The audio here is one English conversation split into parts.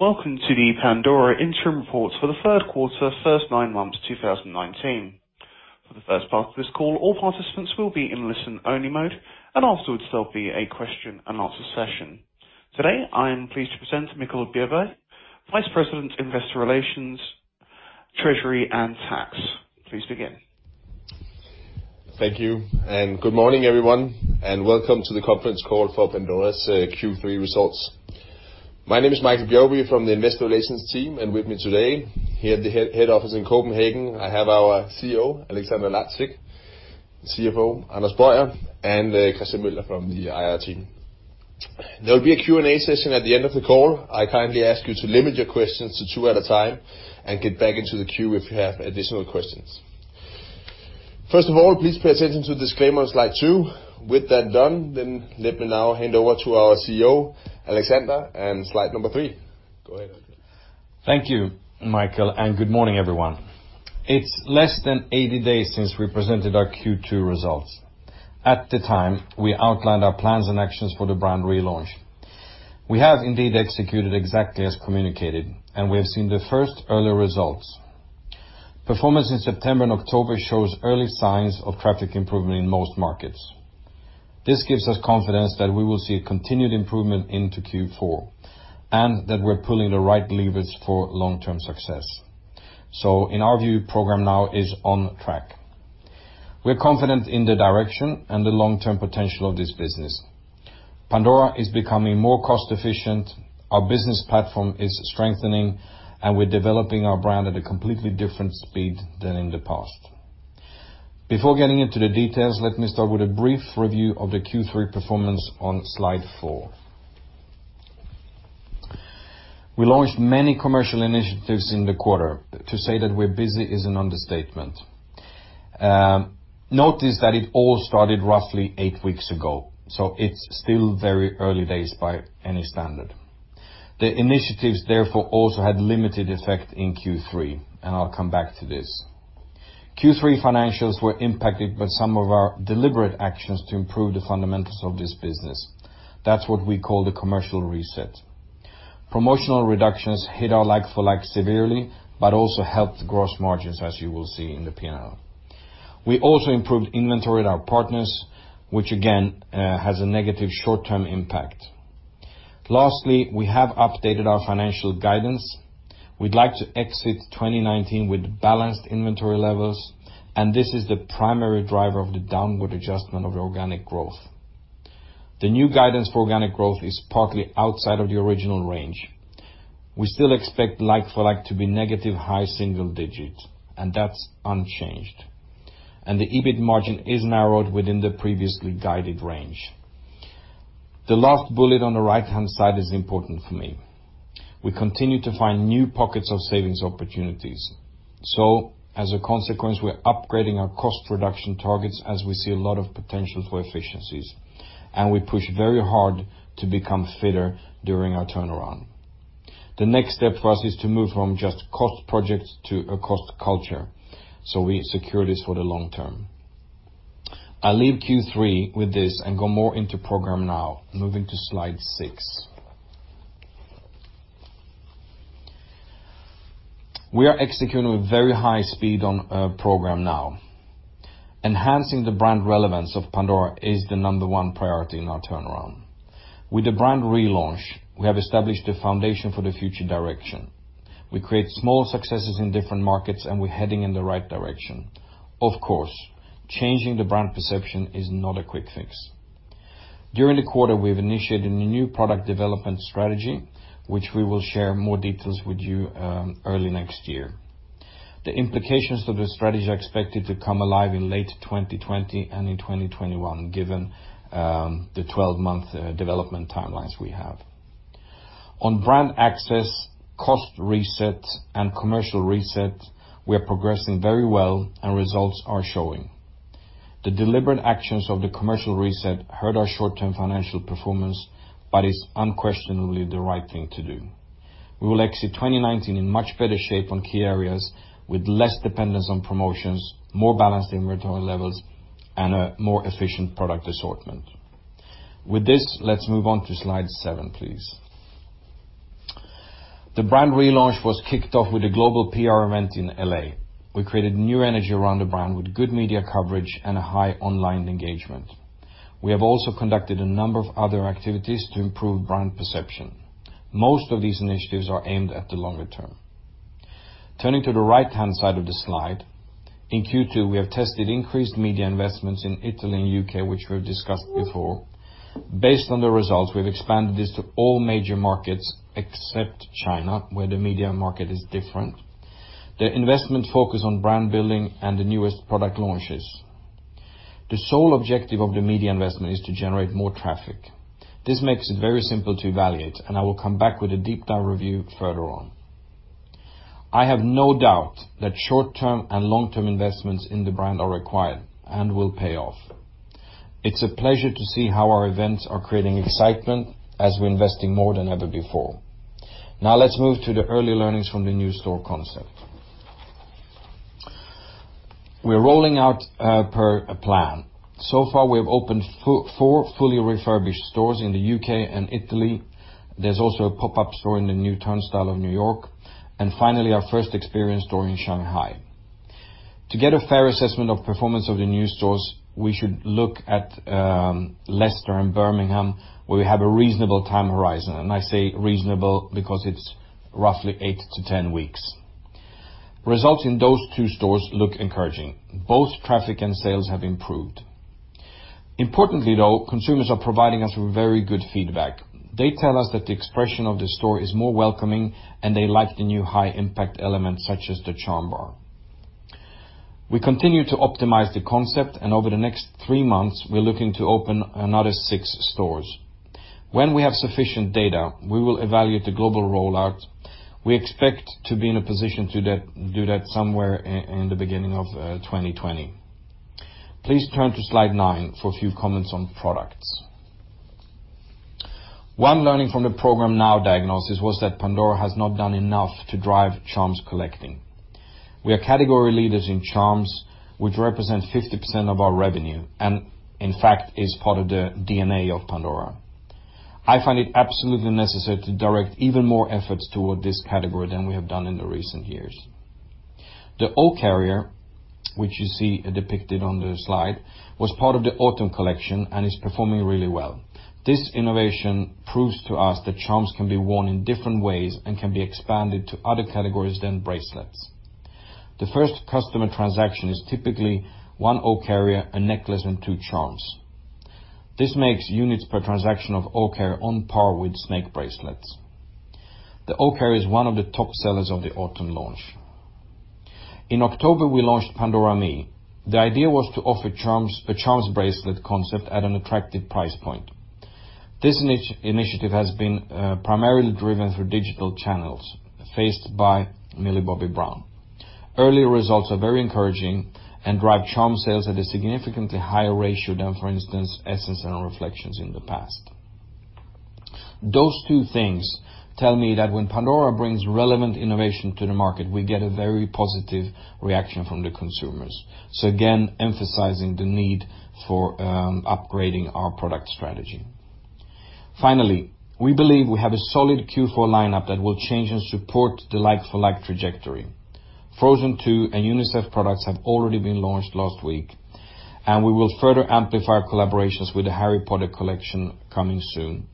Welcome to the Pandora Interim Report for the third quarter, first nine months, 2019. For the first part of this call, all participants will be in listen-only mode, and afterwards, there'll be a question-and-answer session. Today, I am pleased to present Michael Bjergby, Vice President, Investor Relations, Treasury, and Tax. Please begin. Thank you, and good morning, everyone, and welcome to the conference call for Pandora's Q3 results. My name is Michael Bjergby from the Investor Relations team, and with me today, here at the head office in Copenhagen, I have our CEO, Alexander Lacik; CFO, Anders Boyer; and Christian Müller from the IR team. There will be a Q&A session at the end of the call. I kindly ask you to limit your questions to two at a time and get back into the queue if you have additional questions. First of all, please pay attention to the disclaimer on slide two. With that done, let me now hand over to our CEO, Alexander, and slide number three. Go ahead, Alexander. Thank you, Michael, and good morning, everyone. It's less than 80 days since we presented our Q2 results. At the time, we outlined our plans and actions for the brand relaunch. We have indeed executed exactly as communicated, and we have seen the first early results. Performance in September and October shows early signs of traffic improvement in most markets. This gives us confidence that we will see a continued improvement into Q4, and that we're pulling the right levers for long-term success. So in our view, Programme NOW is on track. We're confident in the direction and the long-term potential of this business. Pandora is becoming more cost-efficient, our business platform is strengthening, and we're developing our brand at a completely different speed than in the past. Before getting into the details, let me start with a brief review of the Q3 performance on slide four. We launched many commercial initiatives in the quarter. To say that we're busy is an understatement. Notice that it all started roughly eight weeks ago, so it's still very early days by any standard. The initiatives, therefore, also had limited effect in Q3, and I'll come back to this. Q3 financials were impacted by some of our deliberate actions to improve the fundamentals of this business. That's what we call the commercial reset. Promotional reductions hit our like-for-like severely, but also helped gross margins, as you will see in the P&L. We also improved inventory at our partners, which again has a negative short-term impact. Lastly, we have updated our financial guidance. We'd like to exit 2019 with balanced inventory levels, and this is the primary driver of the downward adjustment of the organic growth. The new guidance for organic growth is partly outside of the original range. We still expect like-for-like to be negative high single digits, and that's unchanged, and the EBIT margin is narrowed within the previously guided range. The last bullet on the right-hand side is important for me. We continue to find new pockets of savings opportunities, so as a consequence, we're upgrading our cost reduction targets as we see a lot of potential for efficiencies, and we push very hard to become fitter during our turnaround. The next step for us is to move from just cost projects to a cost culture, so we secure this for the long term. I'll leave Q3 with this and go more into Programme NOW, moving to slide six. We are executing with very high speed on Programme NOW. Enhancing the brand relevance of Pandora is the number one priority in our turnaround. With the brand relaunch, we have established a foundation for the future direction. We create small successes in different markets, and we're heading in the right direction. Of course, changing the brand perception is not a quick fix. During the quarter, we've initiated a new product development strategy, which we will share more details with you early next year. The implications of the strategy are expected to come alive in late 2020 and in 2021, given the 12-month development timelines we have. On brand access, cost reset, and commercial reset, we are progressing very well and results are showing. The deliberate actions of the commercial reset hurt our short-term financial performance, but it's unquestionably the right thing to do. We will exit 2019 in much better shape on key areas with less dependence on promotions, more balanced inventory levels, and a more efficient product assortment. With this, let's move on to slide seven, please. The brand relaunch was kicked off with a global PR event in L.A. We created new energy around the brand with good media coverage and a high online engagement. We have also conducted a number of other activities to improve brand perception. Most of these initiatives are aimed at the longer term. Turning to the right-hand side of the slide, in Q2, we have tested increased media investments in Italy and U.K., which we have discussed before. Based on the results, we've expanded this to all major markets except China, where the media market is different. The investment focus on brand building and the newest product launches. The sole objective of the media investment is to generate more traffic. This makes it very simple to evaluate, and I will come back with a deep dive review further on. I have no doubt that short-term and long-term investments in the brand are required and will pay off. It's a pleasure to see how our events are creating excitement as we're investing more than ever before. Now, let's move to the early learnings from the new store concept.... We're rolling out per plan. So far, we have opened four, four fully refurbished stores in the U.K. and Italy. There's also a pop-up store in the new town style of New York, and finally, our first Experience Store in Shanghai. To get a fair assessment of performance of the new stores, we should look at Leicester and Birmingham, where we have a reasonable time horizon, and I say reasonable because it's roughly eight to 10 weeks. Results in those two stores look encouraging. Both traffic and sales have improved. Importantly, though, consumers are providing us with very good feedback. They tell us that the expression of the store is more welcoming, and they like the new high-impact elements, such as the Charm Bar. We continue to optimize the concept, and over the next three months, we're looking to open another six stores. When we have sufficient data, we will evaluate the global rollout. We expect to be in a position to do that somewhere in the beginning of 2020. Please turn to slide nine for a few comments on products. One learning from the Programme NOW diagnosis was that Pandora has not done enough to drive charms collecting. We are category leaders in charms, which represent 50% of our revenue, and in fact, is part of the DNA of Pandora. I find it absolutely necessary to direct even more efforts toward this category than we have done in the recent years. The O Carrier, which you see depicted on the slide, was part of the autumn collection and is performing really well. This innovation proves to us that charms can be worn in different ways and can be expanded to other categories than bracelets. The first customer transaction is typically one O Carrier, a necklace, and two charms. This makes units per transaction of O Carrier on par with snake bracelets. The O Carrier is one of the top sellers of the autumn launch. In October, we launched Pandora Me. The idea was to offer charms, a charms bracelet concept at an attractive price point. This initiative has been primarily driven through digital channels, fronted by Millie Bobby Brown. Early results are very encouraging and drive charm sales at a significantly higher ratio than, for instance, Essence and Reflexions in the past. Those two things tell me that when Pandora brings relevant innovation to the market, we get a very positive reaction from the consumers. So again, emphasizing the need for upgrading our product strategy. Finally, we believe we have a solid Q4 lineup that will change and support the like-for-like trajectory. Frozen 2 and UNICEF products have already been launched last week, and we will further amplify collaborations with the Harry Potter collection coming soon.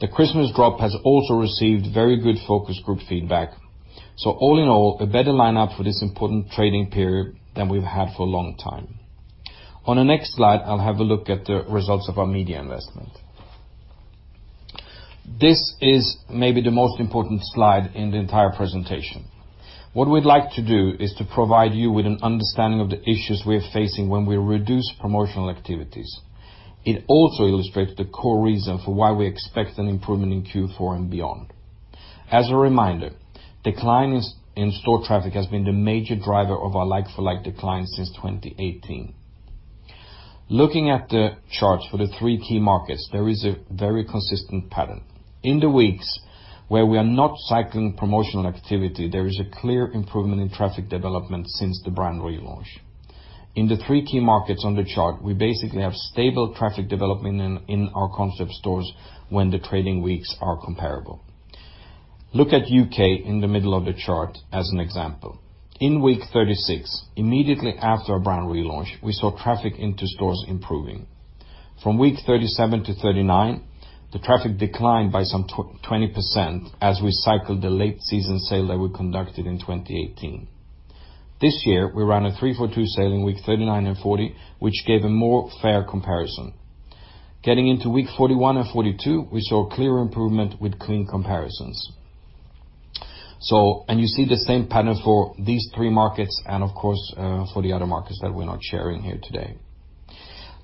The Christmas drop has also received very good focus group feedback. So all in all, a better lineup for this important trading period than we've had for a long time. On the next slide, I'll have a look at the results of our media investment. This is maybe the most important slide in the entire presentation. What we'd like to do is to provide you with an understanding of the issues we are facing when we reduce promotional activities. It also illustrates the core reason for why we expect an improvement in Q4 and beyond. As a reminder, decline in in-store traffic has been the major driver of our like-for-like decline since 2018. Looking at the charts for the three key markets, there is a very consistent pattern. In the weeks where we are not cycling promotional activity, there is a clear improvement in traffic development since the brand relaunch. In the three key markets on the chart, we basically have stable traffic development in our concept stores when the trading weeks are comparable. Look at U.K. in the middle of the chart as an example. In week 36, immediately after our brand relaunch, we saw traffic into stores improving. From week 37 to 39, the traffic declined by some 20% as we cycled the late season sale that we conducted in 2018. This year, we ran a three-for-two sale in week 39 and 40, which gave a more fair comparison. Getting into week 41 and 42, we saw clear improvement with clean comparisons. So, and you see the same pattern for these three markets and, of course, for the other markets that we're not sharing here today.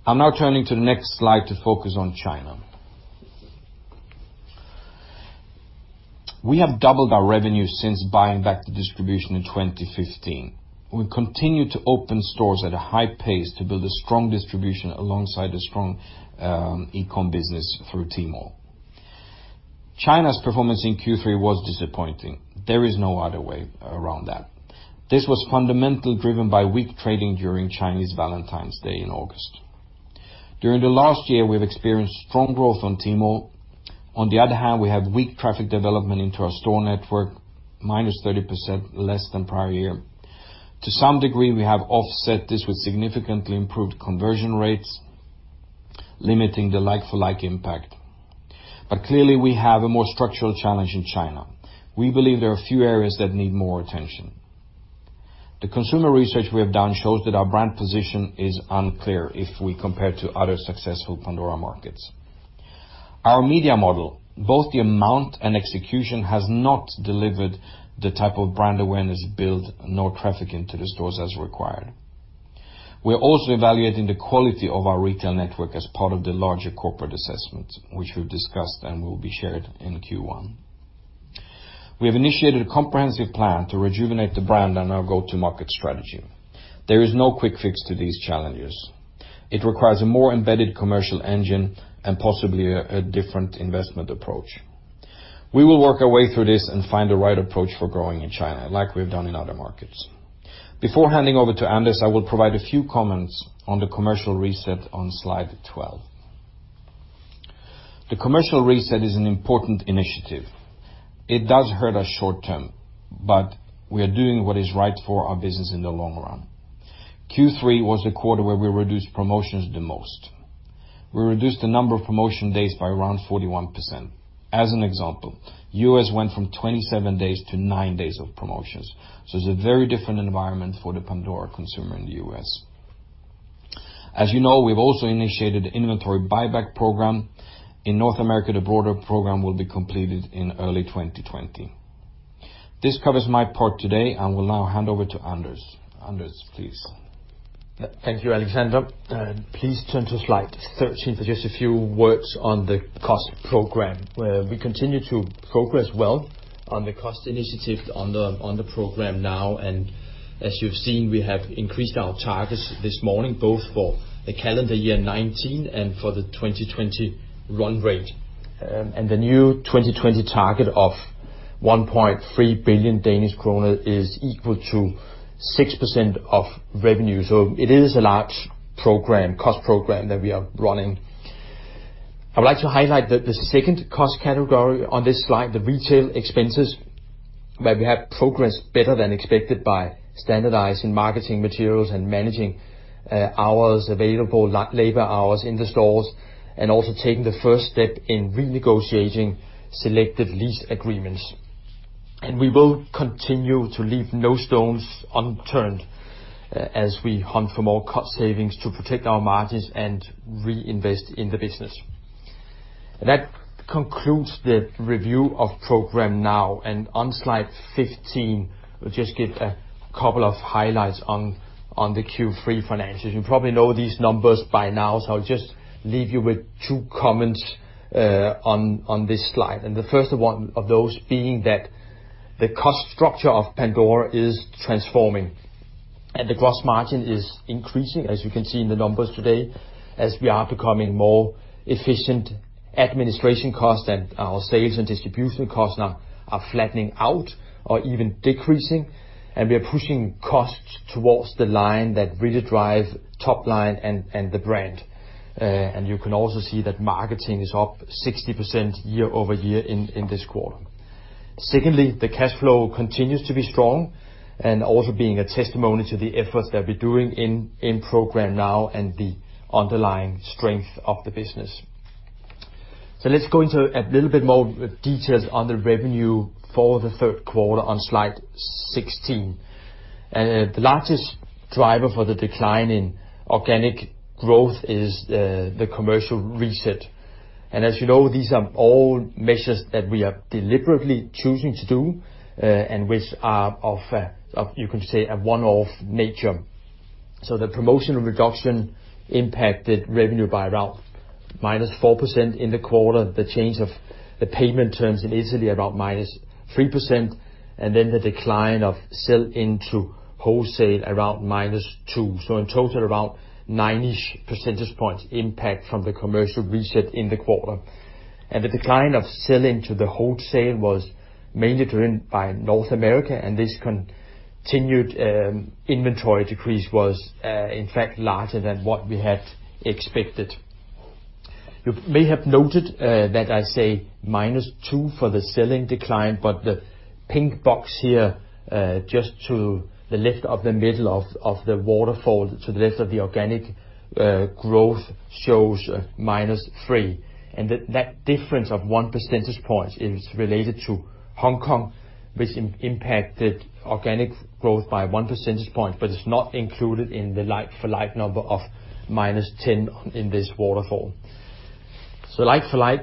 I'm now turning to the next slide to focus on China. We have doubled our revenue since buying back the distribution in 2015. We continue to open stores at a high pace to build a strong distribution alongside a strong, e-com business through Tmall. China's performance in Q3 was disappointing. There is no other way around that. This was fundamentally driven by weak trading during Chinese Valentine's Day in August. During the last year, we've experienced strong growth on Tmall. On the other hand, we have weak traffic development into our store network, -30% less than prior year. To some degree, we have offset this with significantly improved conversion rates, limiting the like-for-like impact. But clearly, we have a more structural challenge in China. We believe there are a few areas that need more attention. The consumer research we have done shows that our brand position is unclear if we compare to other successful Pandora markets. Our media model, both the amount and execution, has not delivered the type of brand awareness build, nor traffic into the stores as required. We are also evaluating the quality of our retail network as part of the larger corporate assessment, which we've discussed and will be shared in Q1. We have initiated a comprehensive plan to rejuvenate the brand and our go-to-market strategy. There is no quick fix to these challenges. It requires a more embedded commercial engine and possibly a different investment approach... We will work our way through this and find the right approach for growing in China, like we've done in other markets. Before handing over to Anders, I will provide a few comments on the commercial reset on slide 12. The commercial reset is an important initiative. It does hurt us short term, but we are doing what is right for our business in the long run. Q3 was the quarter where we reduced promotions the most. We reduced the number of promotion days by around 41%. As an example, U.S. went from 27 days to nine days of promotions, so it's a very different environment for the Pandora consumer in the U.S. As you know, we've also initiated an inventory buyback program. In North America, the broader program will be completed in early 2020. This covers my part today, I will now hand over to Anders. Anders, please. Thank you, Alexander. Please turn to slide 13 for just a few words on the cost program, where we continue to progress well on the cost initiative on the, on the Programme NOW, and as you've seen, we have increased our targets this morning, both for the calendar year 2019 and for the 2020 run rate. And the new 2020 target of 1.3 billion Danish kroner is equal to 6% of revenue, so it is a large program, cost program that we are running. I would like to highlight the, the second cost category on this slide, the retail expenses, where we have progressed better than expected by standardizing marketing materials and managing, hours available, like, labor hours in the stores, and also taking the first step in renegotiating selected lease agreements. And we will continue to leave no stones unturned as we hunt for more cost savings to protect our margins and reinvest in the business. And that concludes the review of Programme NOW, and on slide 15, we'll just give a couple of highlights on the Q3 financials. You probably know these numbers by now, so I'll just leave you with two comments on this slide. And the first of one of those being that the cost structure of Pandora is transforming, and the gross margin is increasing, as you can see in the numbers today. As we are becoming more efficient, administration costs and our sales and distribution costs are flattening out or even decreasing, and we are pushing costs towards the line that really drive top line and the brand. And you can also see that marketing is up 60% year-over-year in this quarter. Secondly, the cash flow continues to be strong, and also being a testimony to the efforts that we're doing in Programme NOW and the underlying strength of the business. So let's go into a little bit more details on the revenue for the third quarter on slide 16. The largest driver for the decline in organic growth is the commercial reset. And as you know, these are all measures that we are deliberately choosing to do, and which are of you can say, a one-off nature. So the promotional reduction impacted revenue by around -4% in the quarter, the change of the payment terms in Italy, about -3%, and then the decline of sell-in to wholesale, around -2%. So in total, around nine-ish percentage points impact from the commercial reset in the quarter. The decline of sell-in to the wholesale was mainly driven by North America, and this continued inventory decrease was, in fact, larger than what we had expected. You may have noted that I say -2% for the selling decline, but the pink box here just to the left of the middle of the waterfall, to the left of the organic growth, shows -3%. And that difference of one percentage point is related to Hong Kong, which impacted organic growth by one percentage point, but it's not included in the like-for-like number of -10% in this waterfall. So like-for-like,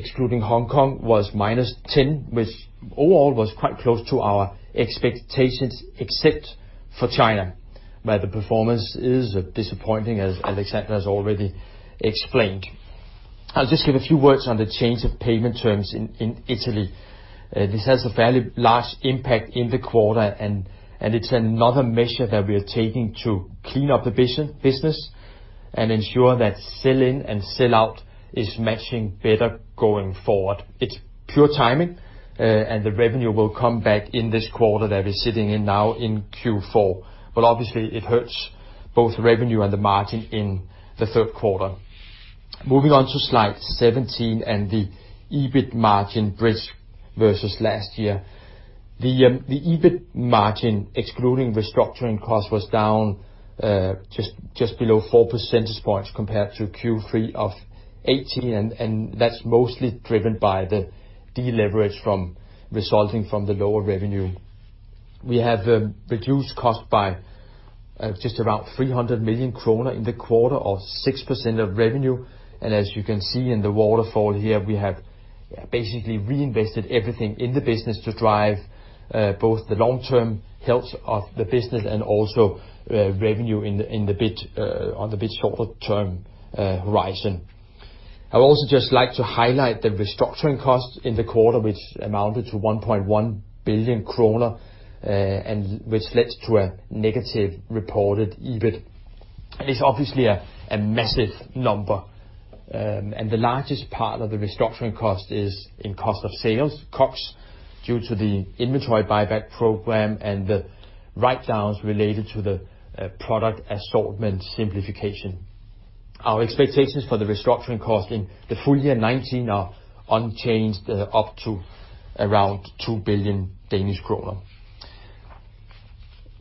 excluding Hong Kong, was -10%, which overall was quite close to our expectations, except for China, where the performance is disappointing, as Alexander has already explained. I'll just give a few words on the change of payment terms in Italy. This has a fairly large impact in the quarter, and it's another measure that we are taking to clean up the business, and ensure that sell-in and sell-out is matching better going forward. It's pure timing, and the revenue will come back in this quarter that is sitting in now in Q4. But obviously, it hurts both revenue and the margin in the third quarter. Moving on to slide 17 and the EBIT margin bridge versus last year. The EBIT margin, excluding restructuring costs, was down just below four percentage points compared to Q3 of 2018, and that's mostly driven by the deleverage resulting from the lower revenue. We have reduced cost by just around 300 million kroner in the quarter, or 6% of revenue, and as you can see in the waterfall here, we have basically reinvested everything in the business to drive both the long-term health of the business and also revenue in the bit on the bit shorter term horizon. I'd also just like to highlight the restructuring costs in the quarter, which amounted to 1.1 billion kroner, and which led to a negative reported EBIT. It's obviously a massive number. The largest part of the restructuring cost is in cost of sales, COGS, due to the inventory buyback program and the writedowns related to the product assortment simplification. Our expectations for the restructuring cost in the full year 2019 are unchanged, up to around 2 billion Danish kroner.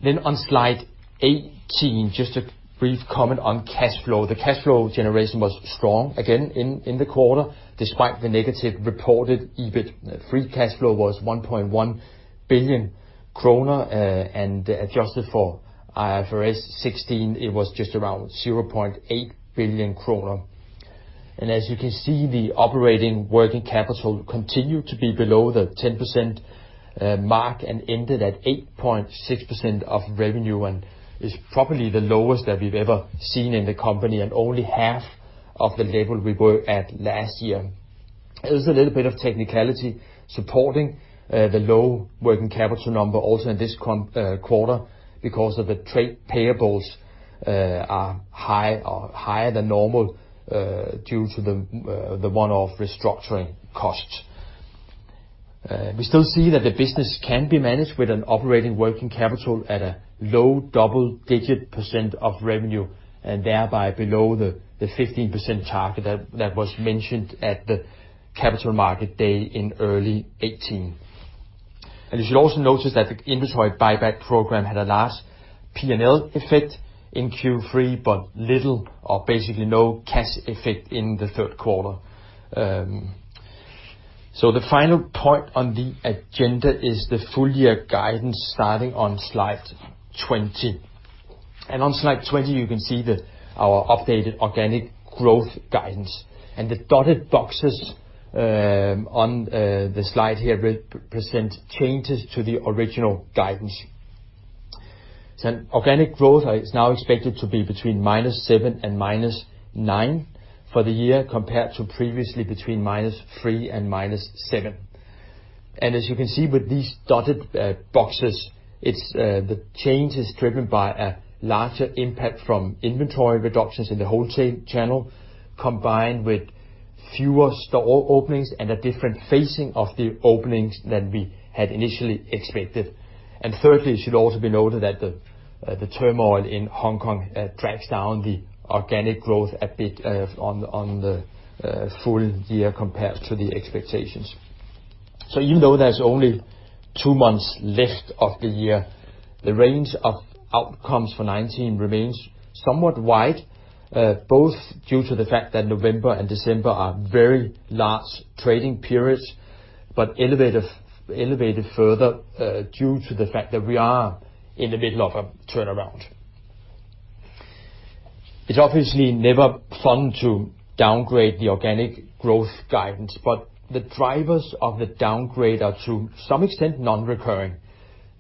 On slide 18, just a brief comment on cash flow. The cash flow generation was strong again in the quarter, despite the negative reported EBIT. Free cash flow was 1.1 billion kroner, and adjusted for IFRS 16, it was just around 0.8 billion kroner. And as you can see, the operating working capital continued to be below the 10% mark and ended at 8.6% of revenue, and is probably the lowest that we've ever seen in the company, and only half of the level we were at last year. There's a little bit of technicality supporting the low working capital number also in this quarter because of the trade payables are high or higher than normal due to the one-off restructuring costs. We still see that the business can be managed with an operating working capital at a low double-digit % of revenue, and thereby below the 15% target that was mentioned at the Capital Markets Day in early 2018. You should also notice that the inventory buyback program had a large P&L effect in Q3, but little or basically no cash effect in the third quarter. The final point on the agenda is the full year guidance, starting on slide 20. On slide 20, you can see our updated organic growth guidance. The dotted boxes on the slide here represent changes to the original guidance. So organic growth is now expected to be between -7% and -9% for the year, compared to previously between -3% and -7%. And as you can see with these dotted boxes, it's the change is driven by a larger impact from inventory reductions in the wholesale channel, combined with fewer store openings and a different phasing of the openings than we had initially expected. And thirdly, it should also be noted that the turmoil in Hong Kong drags down the organic growth a bit on the full year compared to the expectations. So even though there's only two months left of the year, the range of outcomes for 2019 remains somewhat wide, both due to the fact that November and December are very large trading periods, but elevated further due to the fact that we are in the middle of a turnaround. It's obviously never fun to downgrade the organic growth guidance, but the drivers of the downgrade are, to some extent, non-recurring.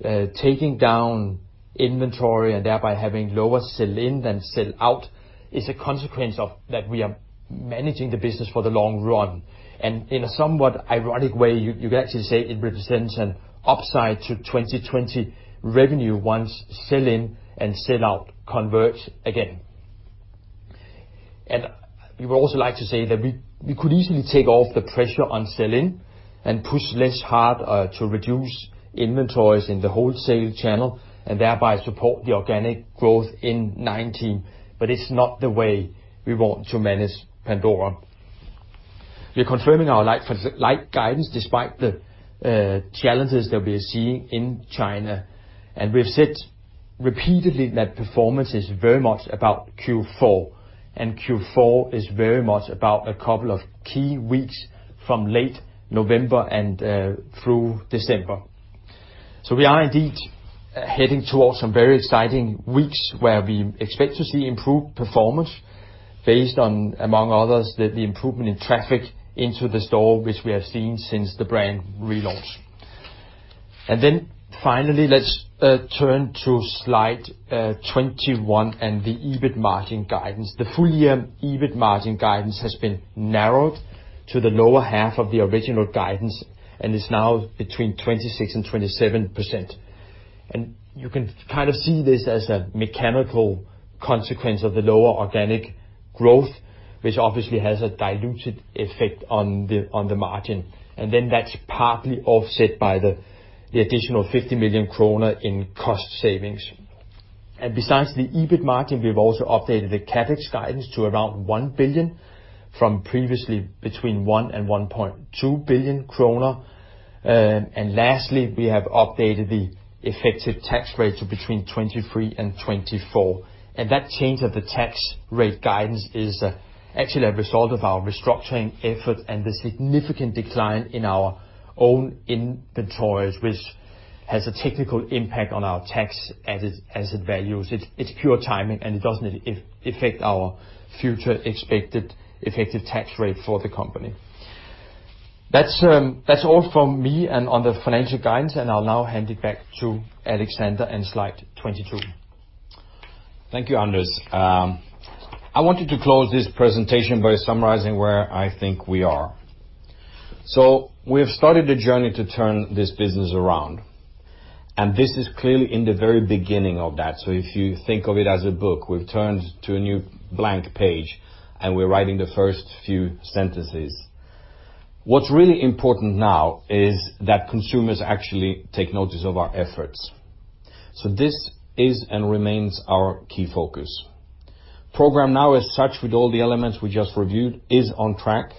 Taking down inventory and thereby having lower sell-in than sell-out is a consequence of that we are managing the business for the long run, and in a somewhat ironic way, you can actually say it represents an upside to 2020 revenue, once sell-in and sell-out converge again. We would also like to say that we could easily take off the pressure on sell-in and push less hard to reduce inventories in the wholesale channel, and thereby support the organic growth in 2019, but it's not the way we want to manage Pandora. We are confirming our like-for-like guidance, despite the challenges that we are seeing in China. And we've said repeatedly that performance is very much about Q4, and Q4 is very much about a couple of key weeks from late November and through December. So we are indeed heading towards some very exciting weeks, where we expect to see improved performance based on, among others, the improvement in traffic into the store, which we have seen since the brand relaunched. And then finally, let's turn to slide 21 and the EBIT margin guidance. The full year EBIT margin guidance has been narrowed to the lower half of the original guidance and is now between 26% and 27%. You can kind of see this as a mechanical consequence of the lower organic growth, which obviously has a diluted effect on the, on the margin, and then that's partly offset by the, the additional 50 million kroner in cost savings. Besides the EBIT margin, we've also updated the CapEx guidance to around 1 billion, from previously between 1 billion-1.2 billion kroner. And lastly, we have updated the effective tax rate to between 23%-24%, and that change of the tax rate guidance is actually a result of our restructuring effort and the significant decline in our own inventories, which has a technical impact on our tax as it, as it values. It's pure timing, and it doesn't affect our future expected effective tax rate for the company. That's all from me and on the financial guidance, and I'll now hand it back to Alexander and slide 22. Thank you, Anders. I wanted to close this presentation by summarizing where I think we are. So we have started a journey to turn this business around, and this is clearly in the very beginning of that. So if you think of it as a book, we've turned to a new blank page, and we're writing the first few sentences. What's really important now is that consumers actually take notice of our efforts. So this is and remains our key focus. Programme NOW, as such, with all the elements we just reviewed, is on track.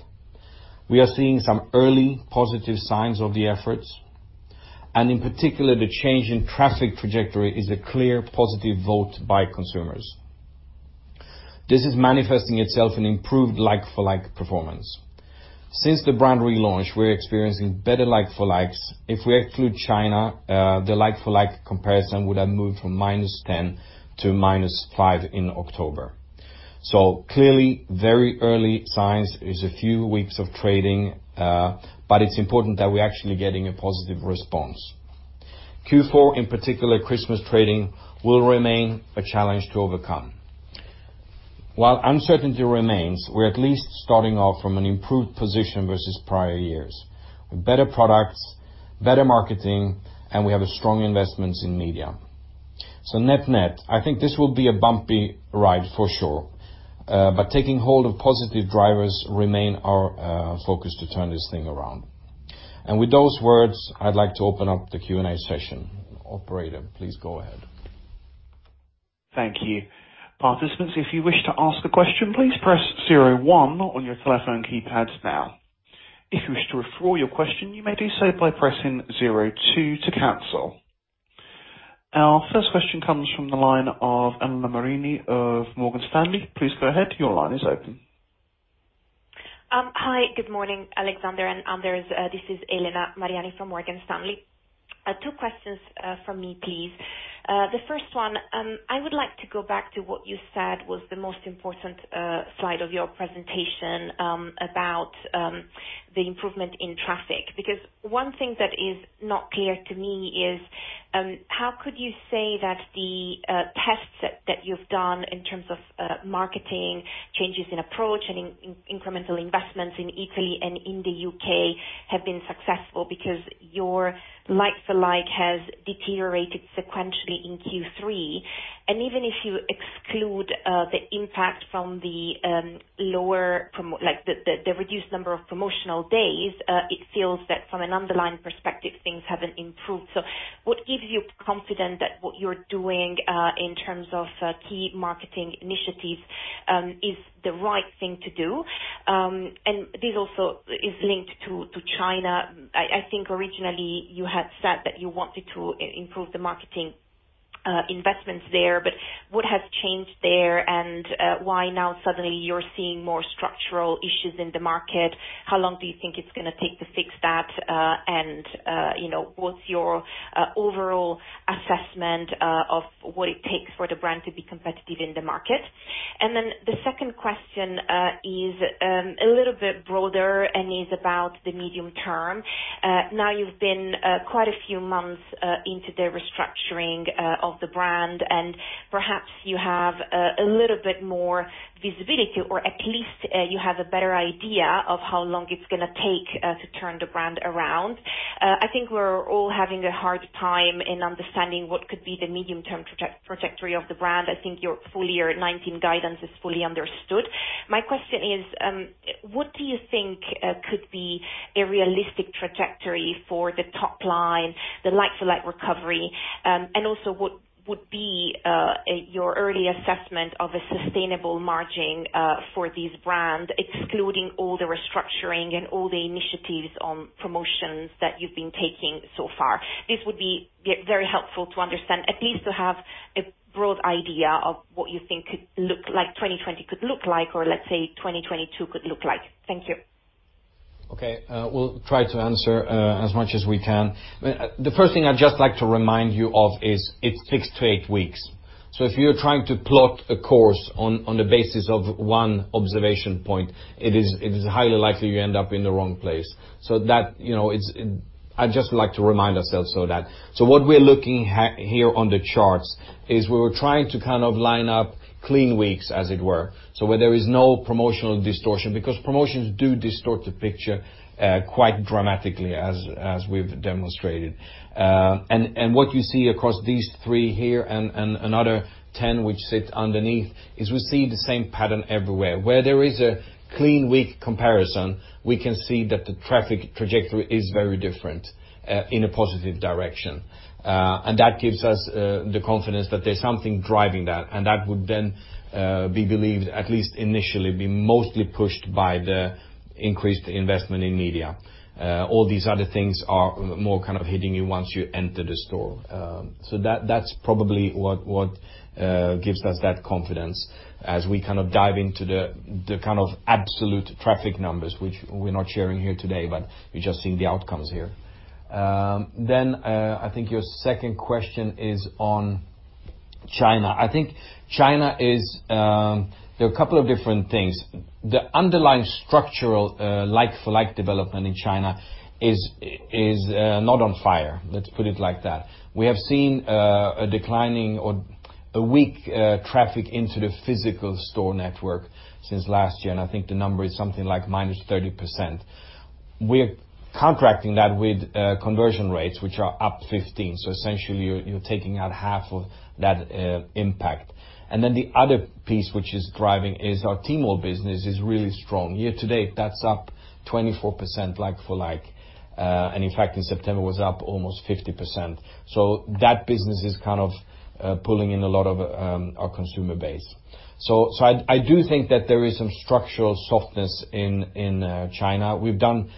We are seeing some early positive signs of the efforts, and in particular, the change in traffic trajectory is a clear positive vote by consumers. This is manifesting itself in improved like-for-like performance. Since the brand relaunch, we're experiencing better like-for-likes. If we exclude China, the Like-for-like comparison would have moved from -10% to -5% in October. So clearly, very early signs. It's a few weeks of trading, but it's important that we're actually getting a positive response. Q4, in particular, Christmas trading, will remain a challenge to overcome. While uncertainty remains, we're at least starting off from an improved position versus prior years. Better products, better marketing, and we have a strong investments in media. So net-net, I think this will be a bumpy ride for sure, but taking hold of positive drivers remain our focus to turn this thing around. And with those words, I'd like to open up the Q&A session. Operator, please go ahead. Thank you. Participants, if you wish to ask a question, please press zero one on your telephone keypads now. If you wish to withdraw your question, you may do so by pressing zero two to cancel. Our first question comes from the line of Elena Mariani of Morgan Stanley. Please go ahead. Your line is open. Hi, good morning, Alexander and Anders. This is Elena Mariani from Morgan Stanley. Two questions from me, please. The first one, I would like to go back to what you said was the most important slide of your presentation about the improvement in traffic. Because one thing that is not clear to me is how could you say that the tests that you've done in terms of marketing, changes in approach, and incremental investments in Italy and the U.K., have been successful? Because your like-for-like has deteriorated sequentially in Q3. And even if you exclude the impact from the reduced number of promotional days, it feels that from an underlying perspective, things haven't improved. So what gives you confidence that what you're doing in terms of key marketing initiatives is the right thing to do? And this also is linked to China. I think originally you had said that you wanted to improve the marketing investments there, but what has changed there, and why now suddenly you're seeing more structural issues in the market? How long do you think it's gonna take to fix that? And you know, what's your overall assessment of what it takes for the brand to be competitive in the market? And then the second question is a little bit broader and is about the medium term. Now, you've been quite a few months into the restructuring of the brand, and perhaps you have a little bit more visibility or at least you have a better idea of how long it's gonna take to turn the brand around. I think we're all having a hard time in understanding what could be the medium-term trajectory of the brand. I think your full-year 2019 guidance is fully understood. My question is, what do you think could be a realistic trajectory for the top line, the like-for-like recovery? And also, what would be your early assessment of a sustainable margin for this brand, excluding all the restructuring and all the initiatives on promotions that you've been taking so far? This would be very helpful to understand, at least to have a broad idea of what you think could look like, 2020 could look like, or let's say, 2022 could look like. Thank you. Okay, we'll try to answer as much as we can. The first thing I'd just like to remind you of is, it's six to eight weeks. So if you're trying to plot a course on the basis of one observation point, it is highly likely you end up in the wrong place. So that, you know, it's... I'd just like to remind ourselves so that. So what we're looking here on the charts is we were trying to kind of line up clean weeks, as it were, so where there is no promotional distortion, because promotions do distort the picture quite dramatically, as we've demonstrated. And what you see across these three here and another 10, which sit underneath, is we see the same pattern everywhere. Where there is a clean week comparison, we can see that the traffic trajectory is very different, in a positive direction. And that gives us the confidence that there's something driving that, and that would then be believed, at least initially, be mostly pushed by the increased investment in media. All these other things are more kind of hitting you once you enter the store. So that, that's probably what gives us that confidence as we kind of dive into the kind of absolute traffic numbers, which we're not sharing here today, but we're just seeing the outcomes here. Then I think your second question is on China. I think China is, there are a couple of different things. The underlying structural like-for-like development in China is not on fire. Let's put it like that. We have seen a declining or a weak traffic into the physical store network since last year, and I think the number is something like -30%. We're contracting that with conversion rates, which are up 15%, so essentially, you're taking out half of that impact. And then the other piece which is driving is our Tmall business is really strong. Year to date, that's up 24% like-for-like, and in fact, in September, was up almost 50%. So that business is kind of pulling in a lot of our consumer base. So I do think that there is some structural softness in China. We've done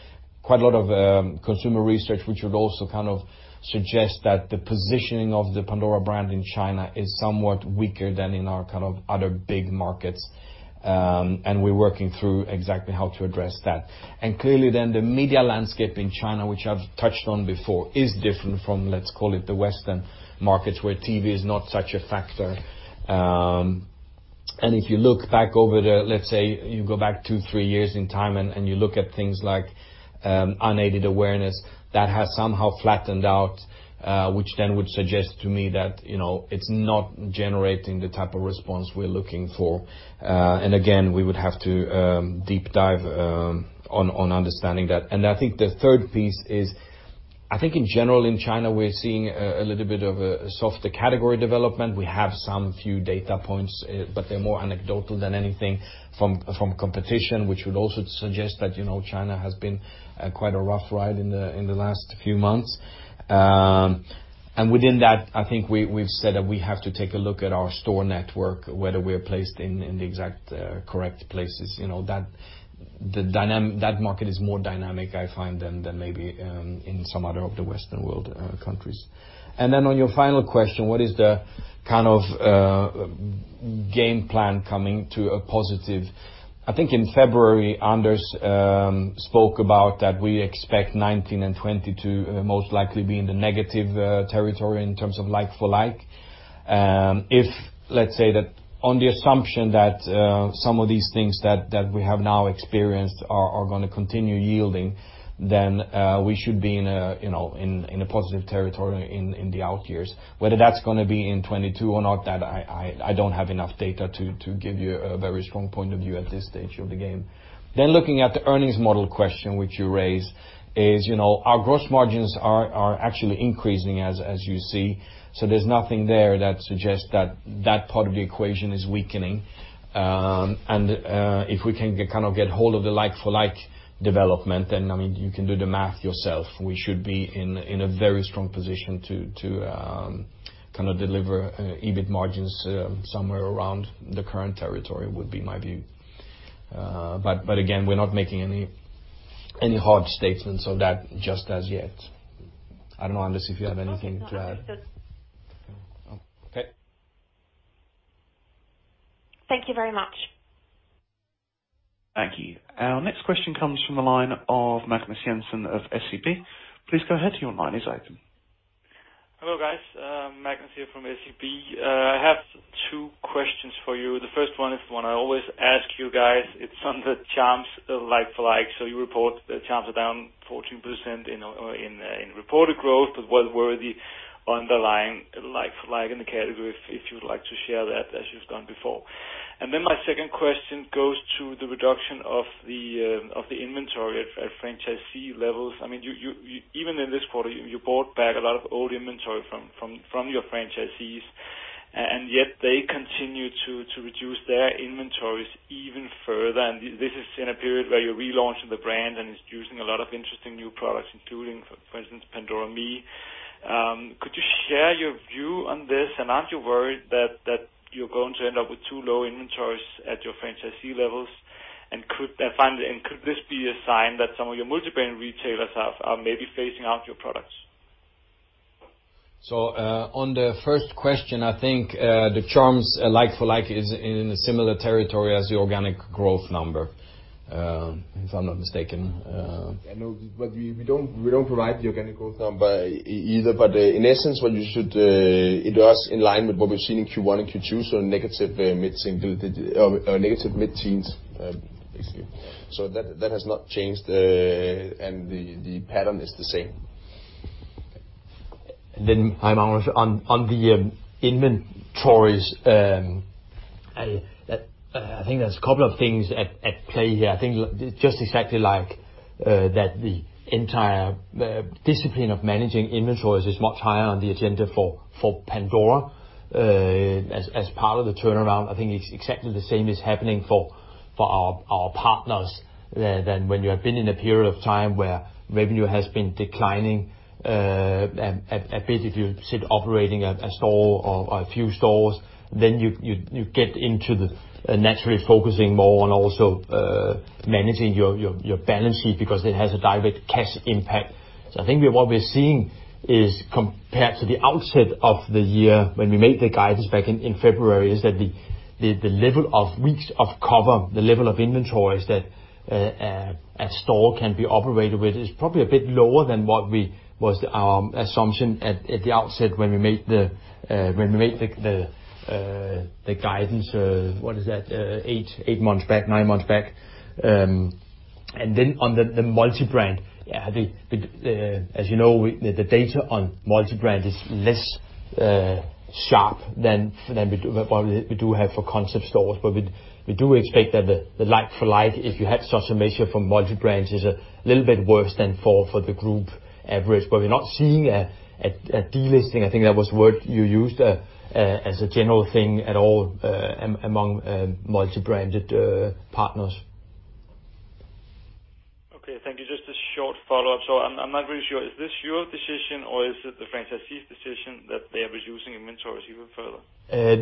quite a lot of consumer research, which would also kind of suggest that the positioning of the Pandora brand in China is somewhat weaker than in our kind of other big markets, and we're working through exactly how to address that. And clearly, then, the media landscape in China, which I've touched on before, is different from, let's call it, the Western markets, where TV is not such a factor. And if you look back over, let's say, you go back two, three years in time, and you look at things like unaided awareness, that has somehow flattened out, which then would suggest to me that, you know, it's not generating the type of response we're looking for. And again, we would have to deep dive on understanding that. And I think the third piece is, I think in general, in China, we're seeing a little bit of a softer category development. We have some few data points, but they're more anecdotal than anything from competition, which would also suggest that, you know, China has been quite a rough ride in the last few months. And within that, I think we've said that we have to take a look at our store network, whether we're placed in the exact correct places. You know, that the market is more dynamic, I find, than maybe in some other of the Western world countries. And then, on your final question, what is the kind of game plan coming to a positive? I think in February, Anders, spoke about that we expect 2019 and 2020 to most likely be in the negative territory in terms of like-for-like. If, let's say, that on the assumption that some of these things that we have now experienced are gonna continue yielding, then we should be in a, you know, in a positive territory in the out years. Whether that's gonna be in 2022 or not, that I don't have enough data to give you a very strong point of view at this stage of the game. Then, looking at the earnings model question which you raised, is, you know, our gross margins are actually increasing, as you see, so there's nothing there that suggests that that part of the equation is weakening. If we can kind of get hold of the like-for-like development, then, I mean, you can do the math yourself. We should be in a very strong position to kind of deliver EBIT margins somewhere around the current territory, would be my view. But again, we're not making any hard statements on that just as yet. I don't know, Anders, if you have anything to add? Okay. Thank you very much. Thank you. Our next question comes from the line of Magnus Jensen of SEB. Please go ahead. Your line is open. Hello, guys, Magnus here from SEB. I have two questions for you. The first one is one I always ask you guys. It's on the charms, like-for-like, so you report the charms are down 14% in reported growth, but what were the underlying like-for-like in the category, if you'd like to share that as you've done before? And then my second question goes to the reduction of the inventory at franchisee levels. I mean, you even in this quarter, you bought back a lot of old inventory from your franchisees, and yet they continue to reduce their inventories even further, and this is in a period where you're relaunching the brand and introducing a lot of interesting new products, including, for instance, Pandora Me. Could you share your view on this, and aren't you worried that you're going to end up with too low inventories at your franchisee levels? And finally, could this be a sign that some of your multi-brand retailers are maybe phasing out your products? So, on the first question, I think, the charms, like-for-like, is in a similar territory as the organic growth number, if I'm not mistaken... I know, but we, we don't, we don't provide the organic growth number either, but, in essence, what you should, it was in line with what we've seen in Q1 and Q2, so negative mid-single... negative mid-teens, basically. So that, that has not changed, and the, the pattern is the same. Then on the inventories, I think there's a couple of things at play here. I think just exactly like that the entire discipline of managing inventories is much higher on the agenda for Pandora. As part of the turnaround, I think it's exactly the same is happening for our partners than when you have been in a period of time where revenue has been declining at a bit. If you sit operating a store or a few stores, then you get into naturally focusing more on also managing your balance sheet, because it has a direct cash impact. So I think what we're seeing is, compared to the outset of the year when we made the guidance back in February, is that the level of weeks of cover, the level of inventories that a store can be operated with, is probably a bit lower than what was our assumption at the outset when we made the guidance, what is that? eight months back, nine months back. And then on the multi-brand, yeah, as you know, the data on multi-brand is less sharp than what we do have for concept stores. But we do expect that the like-for-like, if you had such a measure from multi-brands, is a little bit worse than for the group average. But we're not seeing a delisting, I think that was the word you used, as a general thing at all, among multi-branded partners. Okay, thank you. Just a short follow-up. So I'm not really sure, is this your decision or is it the franchisee's decision that they are reducing inventories even further?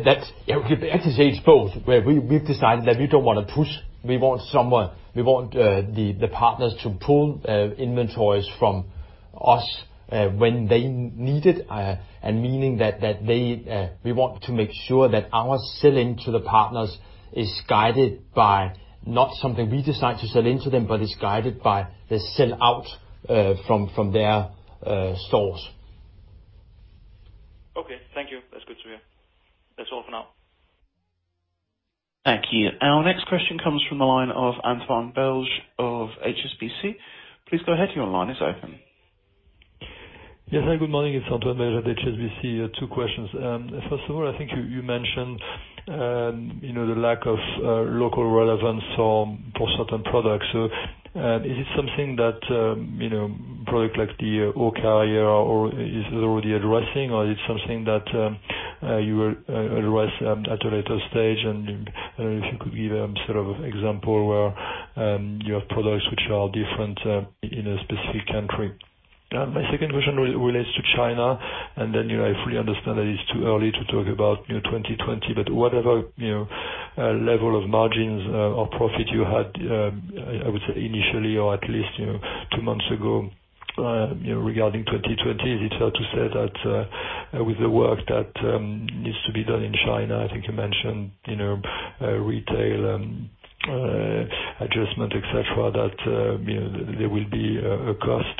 That's, yeah, I have to say it's both, where we've decided that we don't want to push. We want someone, we want the partners to pull inventories from us when they need it. And meaning that they. We want to make sure that our selling to the partners is guided by not something we decide to sell-in to them, but it's guided by the sell-out from their stores. Okay, thank you. That's good to hear. That's all for now. Thank you. Our next question comes from the line of Antoine Belge of HSBC. Please go ahead, your line is open. Yes, hi, good morning. It's Antoine Belge at HSBC. Two questions. First of all, I think you mentioned you know the lack of local relevance for certain products. So, is it something that you know product like the O Carrier or is it already addressing? Or is it something that you will address at a later stage? And if you could give sort of example where you have products which are different in a specific country. My second question relates to China, and then you know I fully understand that it's too early to talk about you know 2020. But whatever, you know, level of margins, or profit you had, I would say initially, or at least, you know, two months ago, you know, regarding 2020, is it fair to say that, with the work that needs to be done in China, I think you mentioned, you know, retail and adjustment, et cetera, that, you know, there will be a cost,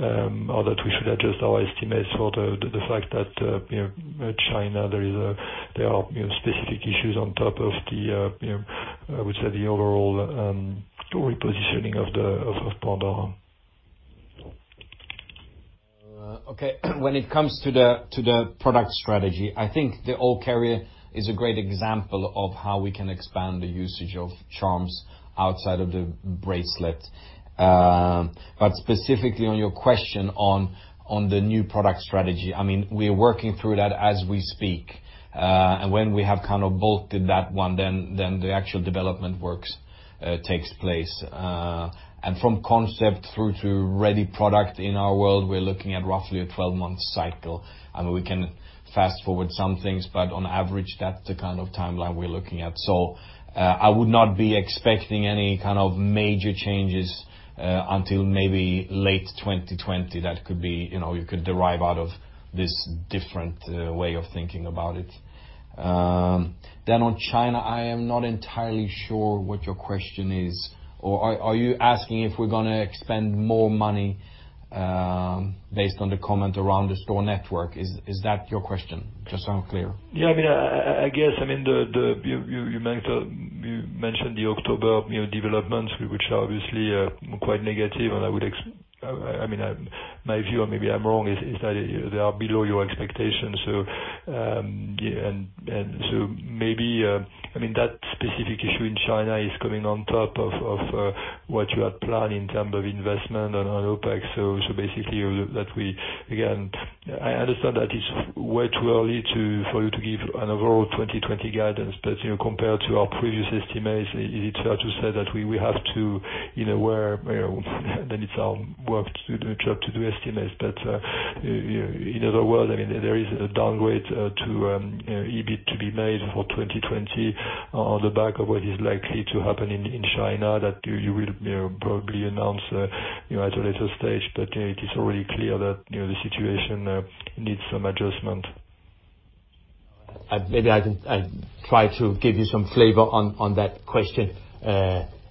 or that we should adjust our estimates for the fact that, you know, China there are specific issues on top of the, you know, I would say the overall repositioning of Pandora? Okay, when it comes to the, to the product strategy, I think the O Carrier is a great example of how we can expand the usage of charms outside of the bracelet. But specifically on your question on, on the new product strategy, I mean, we're working through that as we speak. And when we have kind of bolted that one, then, then the actual development works takes place. And from concept through to ready product in our world, we're looking at roughly a 12-month cycle. I mean, we can fast forward some things, but on average, that's the kind of timeline we're looking at. So, I would not be expecting any kind of major changes until maybe late 2020. That could be, you know, you could derive out of this different way of thinking about it. On China, I am not entirely sure what your question is, or are you asking if we're gonna expend more money, based on the comment around the store network? Is that your question? Just so I'm clear. Yeah, I mean, I guess, I mean, you mentioned the October, you know, developments, which are obviously quite negative. And I mean, my view, or maybe I'm wrong, is that they are below your expectations. So, maybe, I mean, that specific issue in China is coming on top of what you had planned in terms of investment and on OpEx. So, basically, that we, again, I understand that it's way too early for you to give an overall 2020 guidance. But, you know, compared to our previous estimates, is it fair to say that we have to, you know, where, you know, then it's our work to do, job to do estimates. But, you know, in other words, I mean, there is a downgrade to EBIT to be made for 2020, on the back of what is likely to happen in China, that you will, you know, probably announce, you know, at a later stage. But it is already clear that, you know, the situation needs some adjustment. Maybe I can, I try to give you some flavor on, on that question.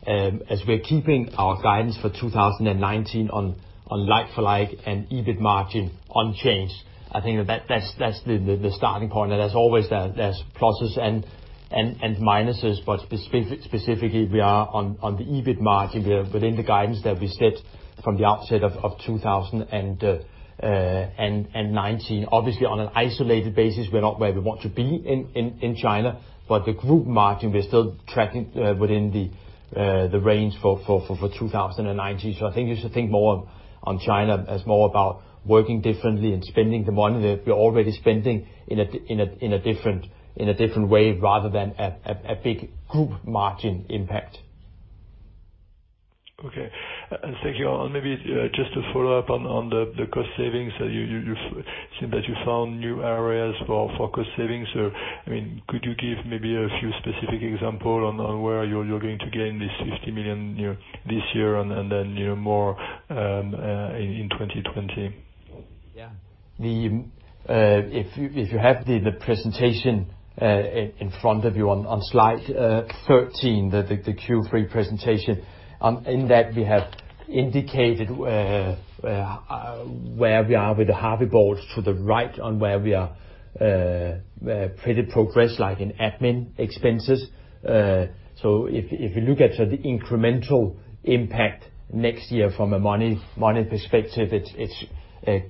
As we're keeping our guidance for 2019 on, on like-for-like and EBIT margin unchanged, I think that, that's, that's the, the starting point. And there's always, there's pluses and, and, and minuses, but specifically, we are on, on the EBIT margin. We are within the guidance that we set from the outset of, of 2019. Obviously, on an isolated basis, we're not where we want to be in, in, in China, but the group margin, we're still tracking, within the, the range for, for, for 2019. So I think you should think more on China as more about working differently and spending the money that we're already spending in a different way, rather than a big group margin impact. Okay. Thank you. And maybe just to follow up on the cost savings, so you've seen that you found new areas for cost savings. So, I mean, could you give maybe a few specific example on where you're going to gain this 50 million, you know, this year and then, you know, more in 2020? Yeah. If you have the presentation in front of you on slide 13, the Q3 presentation, in that we have-... indicated, where we are with the Harvey balls to the right on where we are, pretty progressed, like in admin expenses. So if you look at the incremental impact next year from a monetary perspective, it's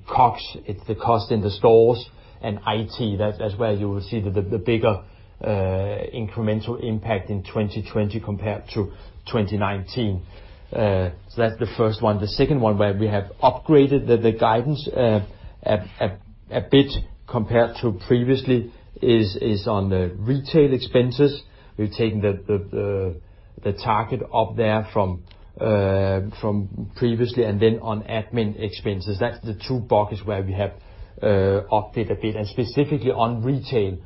COGS, it's the cost in the stores and IT. That's where you will see the bigger incremental impact in 2020 compared to 2019. So that's the first one. The second one, where we have upgraded the guidance a bit compared to previously, is on the retail expenses. We've taken the target up there from previously, and then on admin expenses. That's the two buckets where we have updated a bit, and specifically on retail.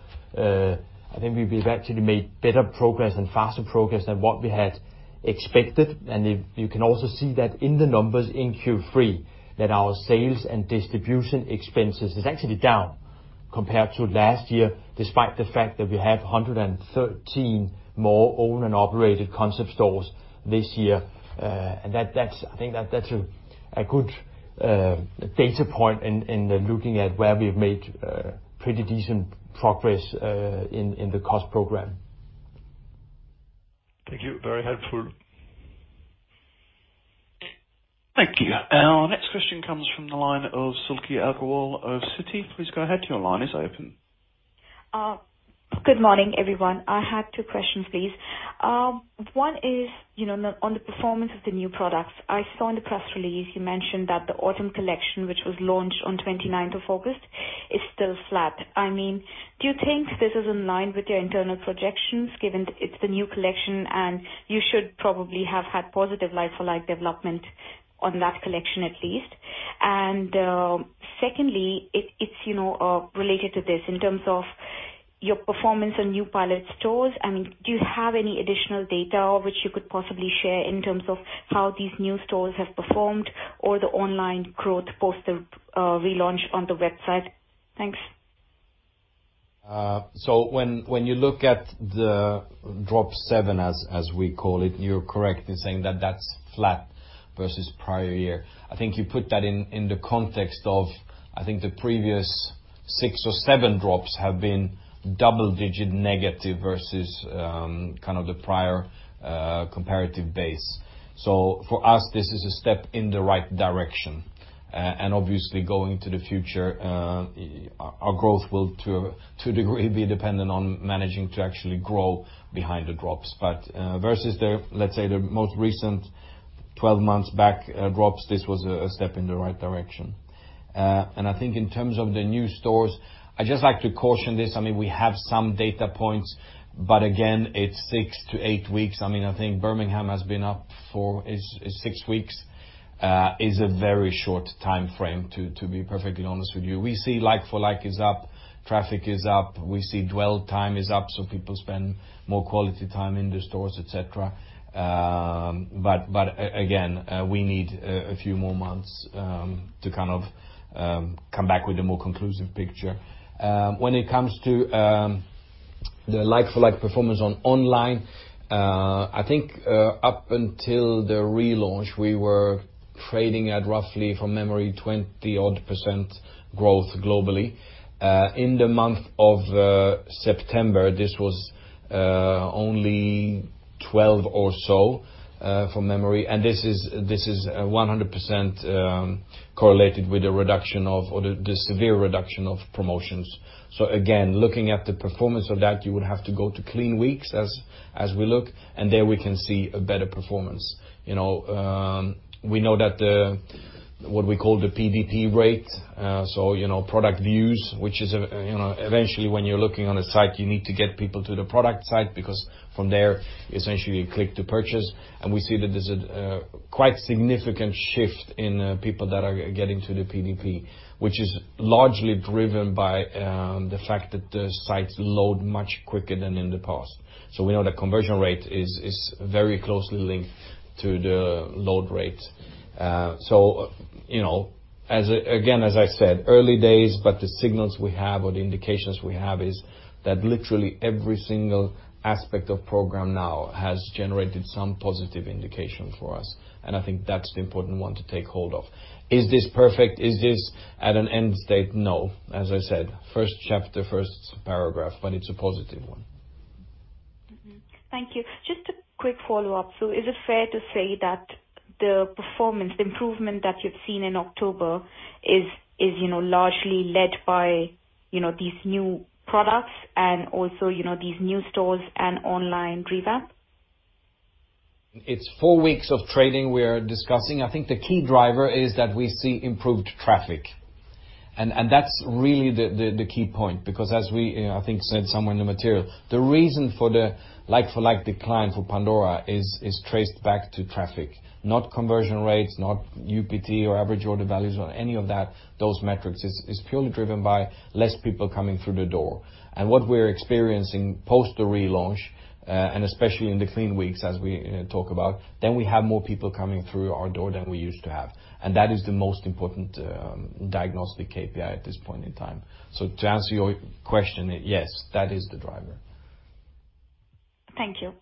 I think we've actually made better progress and faster progress than what we had expected. And if you can also see that in the numbers in Q3, that our sales and distribution expenses is actually down compared to last year, despite the fact that we have 113 more owned and operated concept stores this year. And that, that's I think that's a good data point in looking at where we've made pretty decent progress in the cost program. Thank you. Very helpful. Thank you. Our next question comes from the line of Silky Agarwal of Citi. Please go ahead. Your line is open. Good morning, everyone. I had two questions, please. One is, you know, on the performance of the new products. I saw in the press release, you mentioned that the autumn collection, which was launched on 29th of August, is still flat. I mean, do you think this is in line with your internal projections, given it's the new collection, and you should probably have had positive like-for-like development on that collection, at least? Secondly, you know, related to this, in terms of your performance on new pilot stores. I mean, do you have any additional data which you could possibly share in terms of how these new stores have performed or the online growth post the relaunch on the website? Thanks. So when you look at the Drop 7, as we call it, you're correct in saying that that's flat versus prior year. I think you put that in the context of, I think, the previous six or seven drops have been double digit negative versus kind of the prior comparative base. So for us, this is a step in the right direction, and obviously, going to the future, our growth will to a degree be dependent on managing to actually grow behind the drops. But versus the, let's say, the most recent 12 months back drops, this was a step in the right direction. And I think in terms of the new stores, I'd just like to caution this. I mean, we have some data points, but again, it's six to eight weeks. I mean, I think Birmingham has been up for six weeks. It's a very short timeframe, to be perfectly honest with you. We see like-for-like is up, traffic is up, we see dwell time is up, so people spend more quality time in the stores, et cetera. But again, we need a few more months, to kind of come back with a more conclusive picture. When it comes to the like-for-like performance on online, I think up until the relaunch, we were trading at roughly, from memory, 20-odd percent growth globally. In the month of September, this was only 12 or so, from memory, and this is 100% correlated with the reduction of, or the severe reduction of promotions. So again, looking at the performance of that, you would have to go to clean weeks as we look, and there we can see a better performance. You know, we know that the, what we call the PDP rate, so, you know, product views, which is, you know, eventually when you're looking on a site, you need to get people to the product site, because from there, essentially, you click to purchase. And we see that there's a quite significant shift in people that are getting to the PDP, which is largely driven by the fact that the sites load much quicker than in the past. So we know the conversion rate is very closely linked to the load rate. So, you know, as again, as I said, early days, but the signals we have or the indications we have is that literally every single aspect of Programme NOW has generated some positive indication for us, and I think that's the important one to take hold of. Is this perfect? Is this at an end state? No. As I said, first chapter, first paragraph, but it's a positive one. Mm-hmm. Thank you. Just a quick follow-up. So is it fair to say that the performance improvement that you've seen in October is, you know, largely led by, you know, these new products and also, you know, these new stores and online revamp? It's four weeks of trading we are discussing. I think the key driver is that we see improved traffic, and that's really the key point, because as we, I think, said somewhere in the material, the reason for the like-for-like decline for Pandora is traced back to traffic, not conversion rates, not UPT or average order values or any of that, those metrics. It's purely driven by less people coming through the door. And what we're experiencing post the relaunch, and especially in the clean weeks as we talk about, then we have more people coming through our door than we used to have, and that is the most important diagnostic KPI at this point in time. So to answer your question, yes, that is the driver.... Thank you.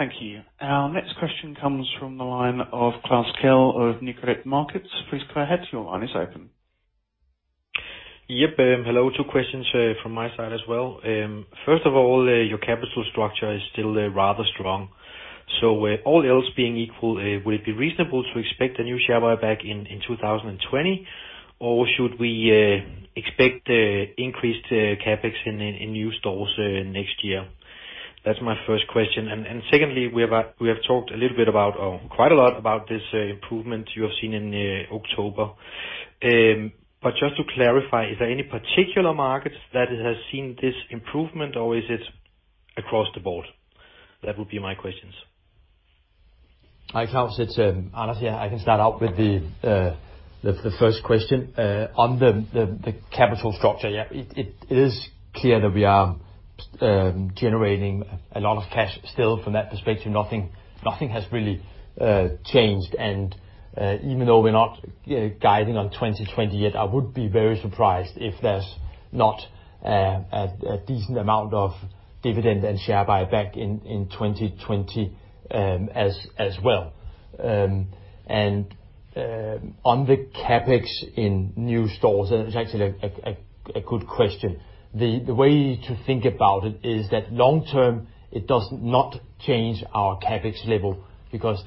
Thank you. Our next question comes from the line of Klaus Kehl of Nykredit Markets. Please go ahead. Your line is open. Yep, hello. Two questions from my side as well. First of all, your capital structure is still rather strong. So with all else being equal, would it be reasonable to expect a new share buyback in 2020? Or should we expect increased CapEx in new stores next year? That's my first question. And secondly, we have talked a little bit about quite a lot about this improvement you have seen in October. But just to clarify, is there any particular markets that it has seen this improvement, or is it across the board? That would be my questions. Hi, Klaus, it's Anders here. I can start out with the first question. On the capital structure, yeah, it is clear that we are generating a lot of cash still. From that perspective, nothing has really changed. Even though we're not guiding on 2020 yet, I would be very surprised if there's not a decent amount of dividend and share buyback in 2020 as well. On the CapEx in new stores, it's actually a good question. The way to think about it is that long-term, it does not change our CapEx level. Because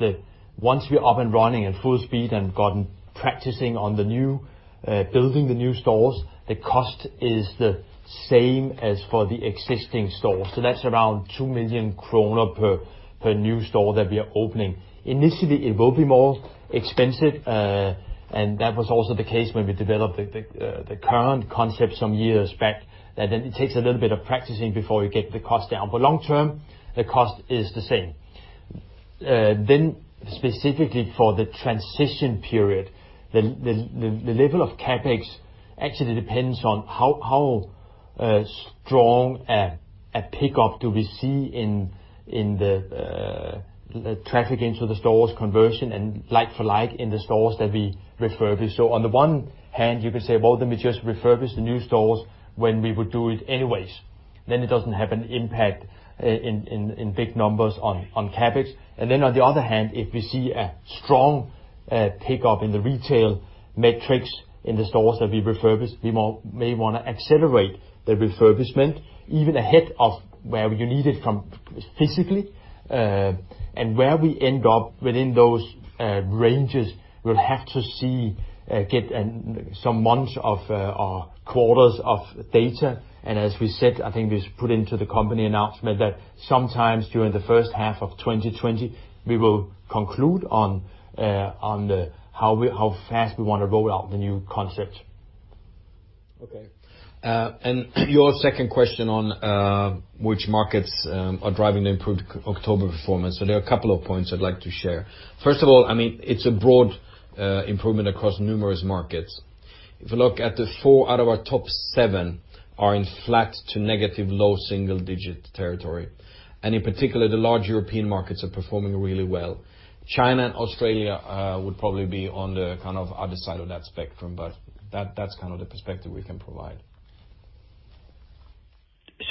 once we're up and running at full speed and gotten practicing on the new building the new stores, the cost is the same as for the existing stores. So that's around 2 million kroner per new store that we are opening. Initially, it will be more expensive, and that was also the case when we developed the current concept some years back, that then it takes a little bit of practicing before you get the cost down. But long-term, the cost is the same. Then specifically for the transition period, the level of CapEx actually depends on how strong a pickup do we see in the traffic into the stores, conversion, and like-for-like, in the stores that we refurbish. So on the one hand, you could say, "Well, then we just refurbish the new stores when we would do it anyways," then it doesn't have an impact in big numbers on CapEx. And then, on the other hand, if we see a strong pickup in the retail metrics in the stores that we refurbish, we may wanna accelerate the refurbishment, even ahead of where you need it from physically. And where we end up within those ranges, we'll have to see, get some months of or quarters of data. And as we said, I think we've put into the company announcement, that sometime during the first half of 2020, we will conclude on the how we- how fast we want to roll out the new concept. Okay. And your second question on, which markets, are driving the improved October performance. So there are a couple of points I'd like to share. First of all, I mean, it's a broad, improvement across numerous markets. If you look at the four out of our top seven are in flat to negative, low single-digit territory. And in particular, the large European markets are performing really well. China and Australia, would probably be on the, kind of, other side of that spectrum, but that, that's kind of the perspective we can provide.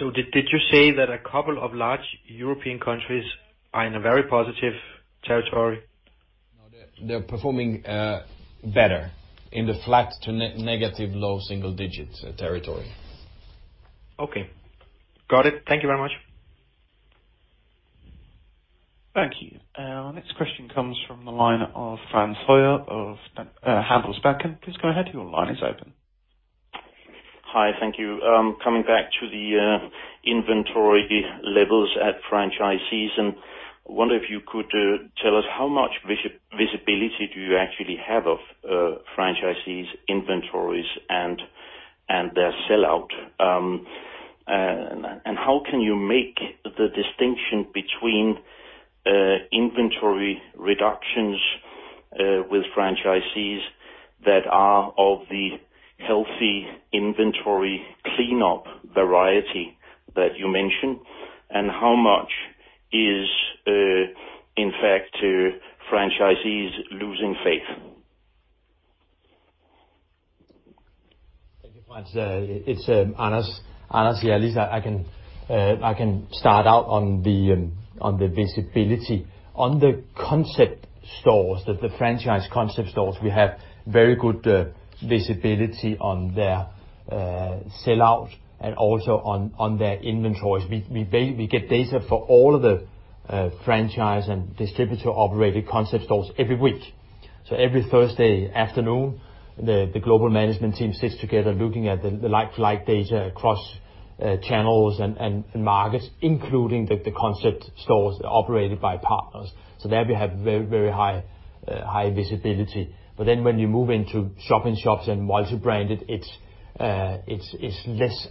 So did you say that a couple of large European countries are in a very positive territory? No, they're performing better in the flat to negative, low single digits territory. Okay. Got it. Thank you very much. Thank you. Our next question comes from the line of Frans Høyer of Handelsbanken Capital Markets. Please go ahead, your line is open. Hi. Thank you. Coming back to the inventory levels at franchisees, and I wonder if you could tell us how much visibility do you actually have of franchisees' inventories, and their sellout? And how can you make the distinction between inventory reductions with franchisees that are of the healthy inventory cleanup variety that you mentioned, and how much is, in fact, franchisees losing faith? Thank you, Frans. It's Anders. Anders here, at least I can start out on the visibility. On the concept stores, the franchise concept stores, we have very good visibility on their sellout and also on their inventories. We get data for all of the franchise and distributor-operated concept stores every week. So every Thursday afternoon, the global management team sits together looking at the like-for-like data across channels and markets, including the concept stores operated by partners. So there we have very high visibility. But then when you move into shop-in-shops and multi-branded, it's less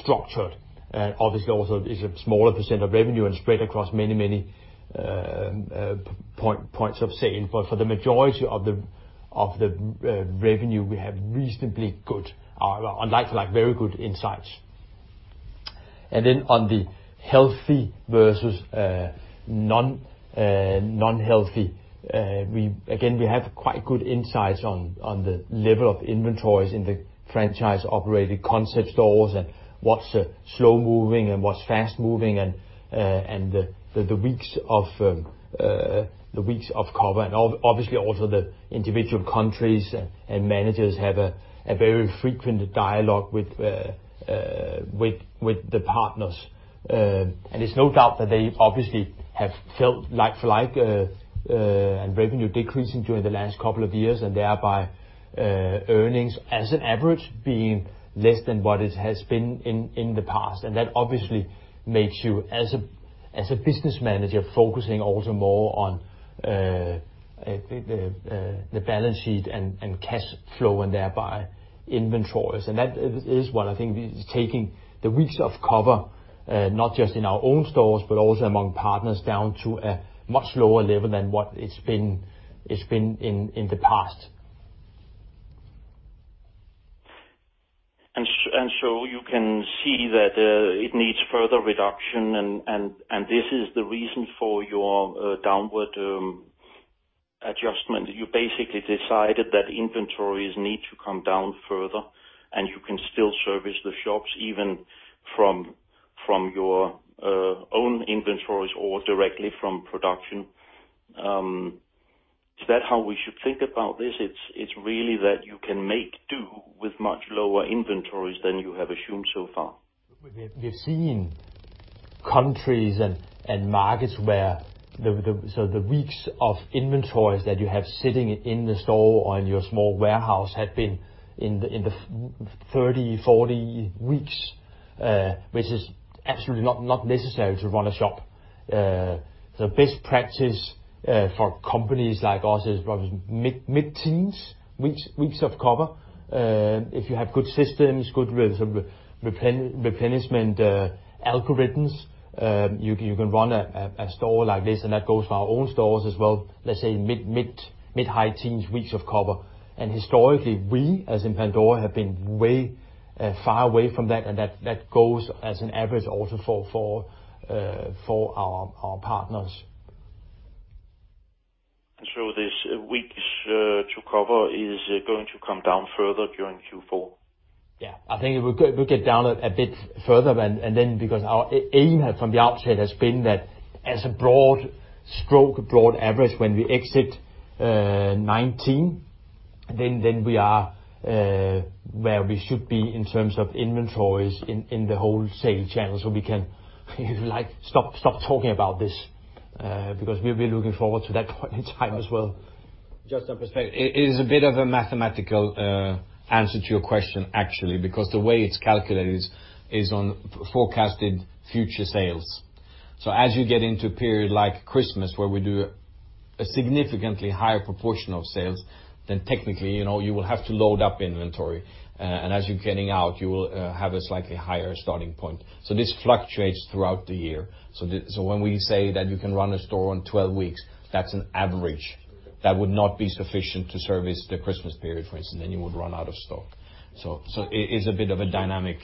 structured. Obviously, also is a smaller percent of revenue and spread across many points of sale. But for the majority of the revenue, we have reasonably good, or on like-for-like, very good insights. And then on the healthy versus non-healthy. We, again, have quite good insights on the level of inventories in the franchise-operated concept stores, and what's slow moving and what's fast moving, and the weeks of cover. And obviously, also, the individual countries and managers have a very frequent dialogue with the partners. And there's no doubt that they obviously have felt like-for-like revenue decreasing during the last couple of years, and thereby earnings as an average being less than what it has been in the past. That obviously makes you, as a business manager, focusing also more on the balance sheet and cash flow, and thereby inventories. That is what I think is taking the weeks of cover, not just in our own stores, but also among partners, down to a much lower level than what it's been in the past. And so you can see that it needs further reduction, and this is the reason for your downward adjustment. You basically decided that inventories need to come down further, and you can still service the shops, even from your own inventories or directly from production. Is that how we should think about this? It's really that you can make do with much lower inventories than you have assumed so far? We've seen countries and markets where the weeks of inventories that you have sitting in the store or in your small warehouse have been in the 30-40 weeks, which is absolutely not necessary to run a shop. The best practice for companies like us is probably mid-teens weeks of cover. If you have good systems, good replenishment algorithms, you can run a store like this, and that goes for our own stores as well. Let's say mid-high teens weeks of cover. And historically, we, as in Pandora, have been way far away from that, and that goes as an average also for our partners. This week's to cover is going to come down further during Q4? Yeah, I think it will get down a bit further, and then, because our aim from the outset has been that as a broad stroke, broad average, when we exit 2019, then we are where we should be in terms of inventories in the wholesale channel, so we can, like, stop talking about this, because we'll be looking forward to that point in time as well. Just on perspective, it is a bit of a mathematical answer to your question, actually, because the way it's calculated is on forecasted future sales. So as you get into a period like Christmas, where we do a significantly higher proportion of sales, then technically, you know, you will have to load up inventory. And as you're getting out, you will have a slightly higher starting point. So this fluctuates throughout the year. So when we say that you can run a store on 12 weeks, that's an average. That would not be sufficient to service the Christmas period, for instance, then you would run out of stock. So it's a bit of a dynamic.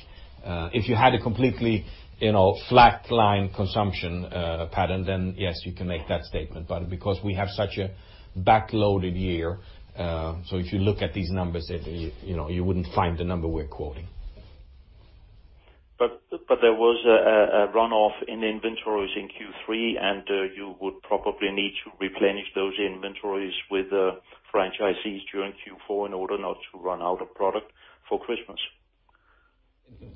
If you had a completely, you know, flat line consumption pattern, then yes, you can make that statement. Because we have such a backloaded year, so if you look at these numbers, you know, you wouldn't find the number we're quoting. But there was a runoff in inventories in Q3, and you would probably need to replenish those inventories with franchisees during Q4 in order not to run out of product for Christmas.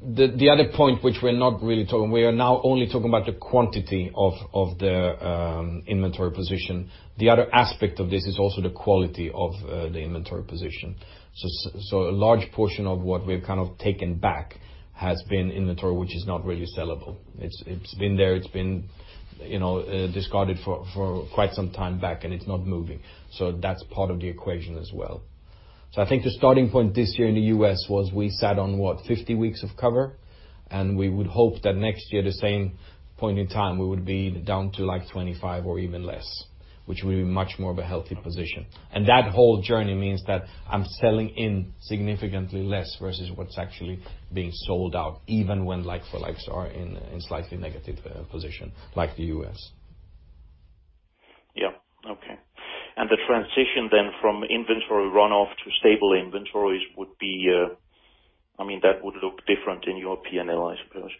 The other point, which we're not really talking, we are now only talking about the quantity of the inventory position. The other aspect of this is also the quality of the inventory position. So a large portion of what we've kind of taken back has been inventory, which is not really sellable. It's been there, you know, discarded for quite some time back, and it's not moving, so that's part of the equation as well. So I think the starting point this year in the U.S. was we sat on what, 50 weeks of cover? And we would hope that next year, the same point in time, we would be down to, like, 25 or even less, which will be much more of a healthy position. That whole journey means that I'm selling in significantly less versus what's actually being sold out, even when like-for-likes are in slightly negative position, like the U.S. Yeah. Okay. The transition then from inventory runoff to stable inventories would be. I mean, that would look different in your P&L, I suppose.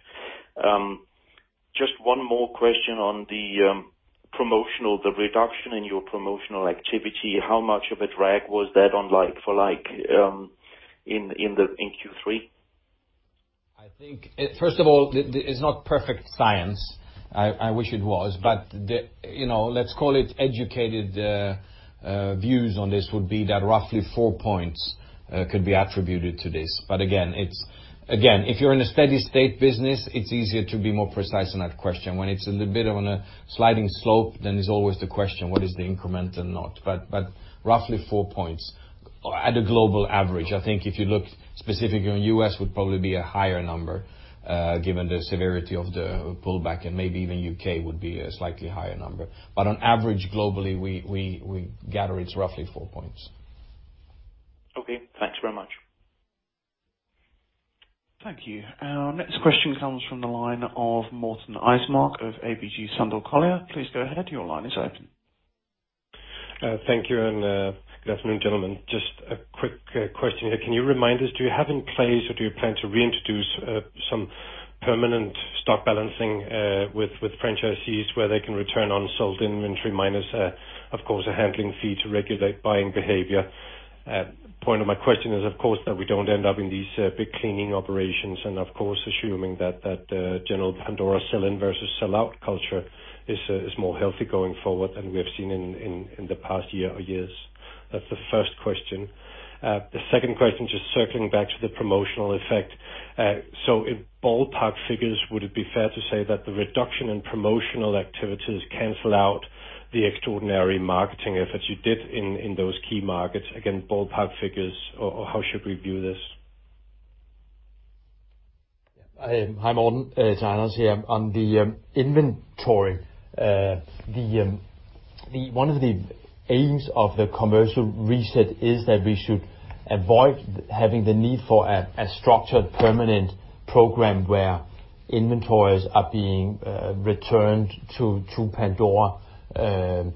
Just one more question on the promotional, the reduction in your promotional activity. How much of a drag was that on like-for-like in Q3? I think first of all, it's not perfect science. I wish it was, but you know, let's call it educated views on this would be that roughly 4 points could be attributed to this. But again, it's... Again, if you're in a steady state business, it's easier to be more precise on that question. When it's a little bit on a sliding slope, then there's always the question, what is the increment and not? But roughly four points at a global average. I think if you look specifically on U.S., would probably be a higher number, given the severity of the pullback, and maybe even U.K. would be a slightly higher number. But on average, globally, we gather it's roughly four points.... Okay, thanks very much. Thank you. Our next question comes from the line of Morten Eismark of ABG Sundal Collier. Please go ahead, your line is open. Thank you, and good afternoon, gentlemen. Just a quick question here. Can you remind us, do you have in place, or do you plan to reintroduce some permanent stock balancing with franchisees, where they can return unsold inventory minus, of course, a handling fee to regulate buying behavior? Point of my question is, of course, that we don't end up in these big cleaning operations, and of course, assuming that general Pandora sell-in versus sell-out culture is more healthy going forward than we have seen in the past year or years. That's the first question. The second question, just circling back to the promotional effect. So in ballpark figures, would it be fair to say that the reduction in promotional activities cancel out the extraordinary marketing efforts you did in those key markets? Again, ballpark figures, or how should we view this? Yeah. Hi, Morten, it's Anders here. On the inventory, the one of the aims of the commercial reset is that we should avoid having the need for a structured permanent program where inventories are being returned to Pandora. And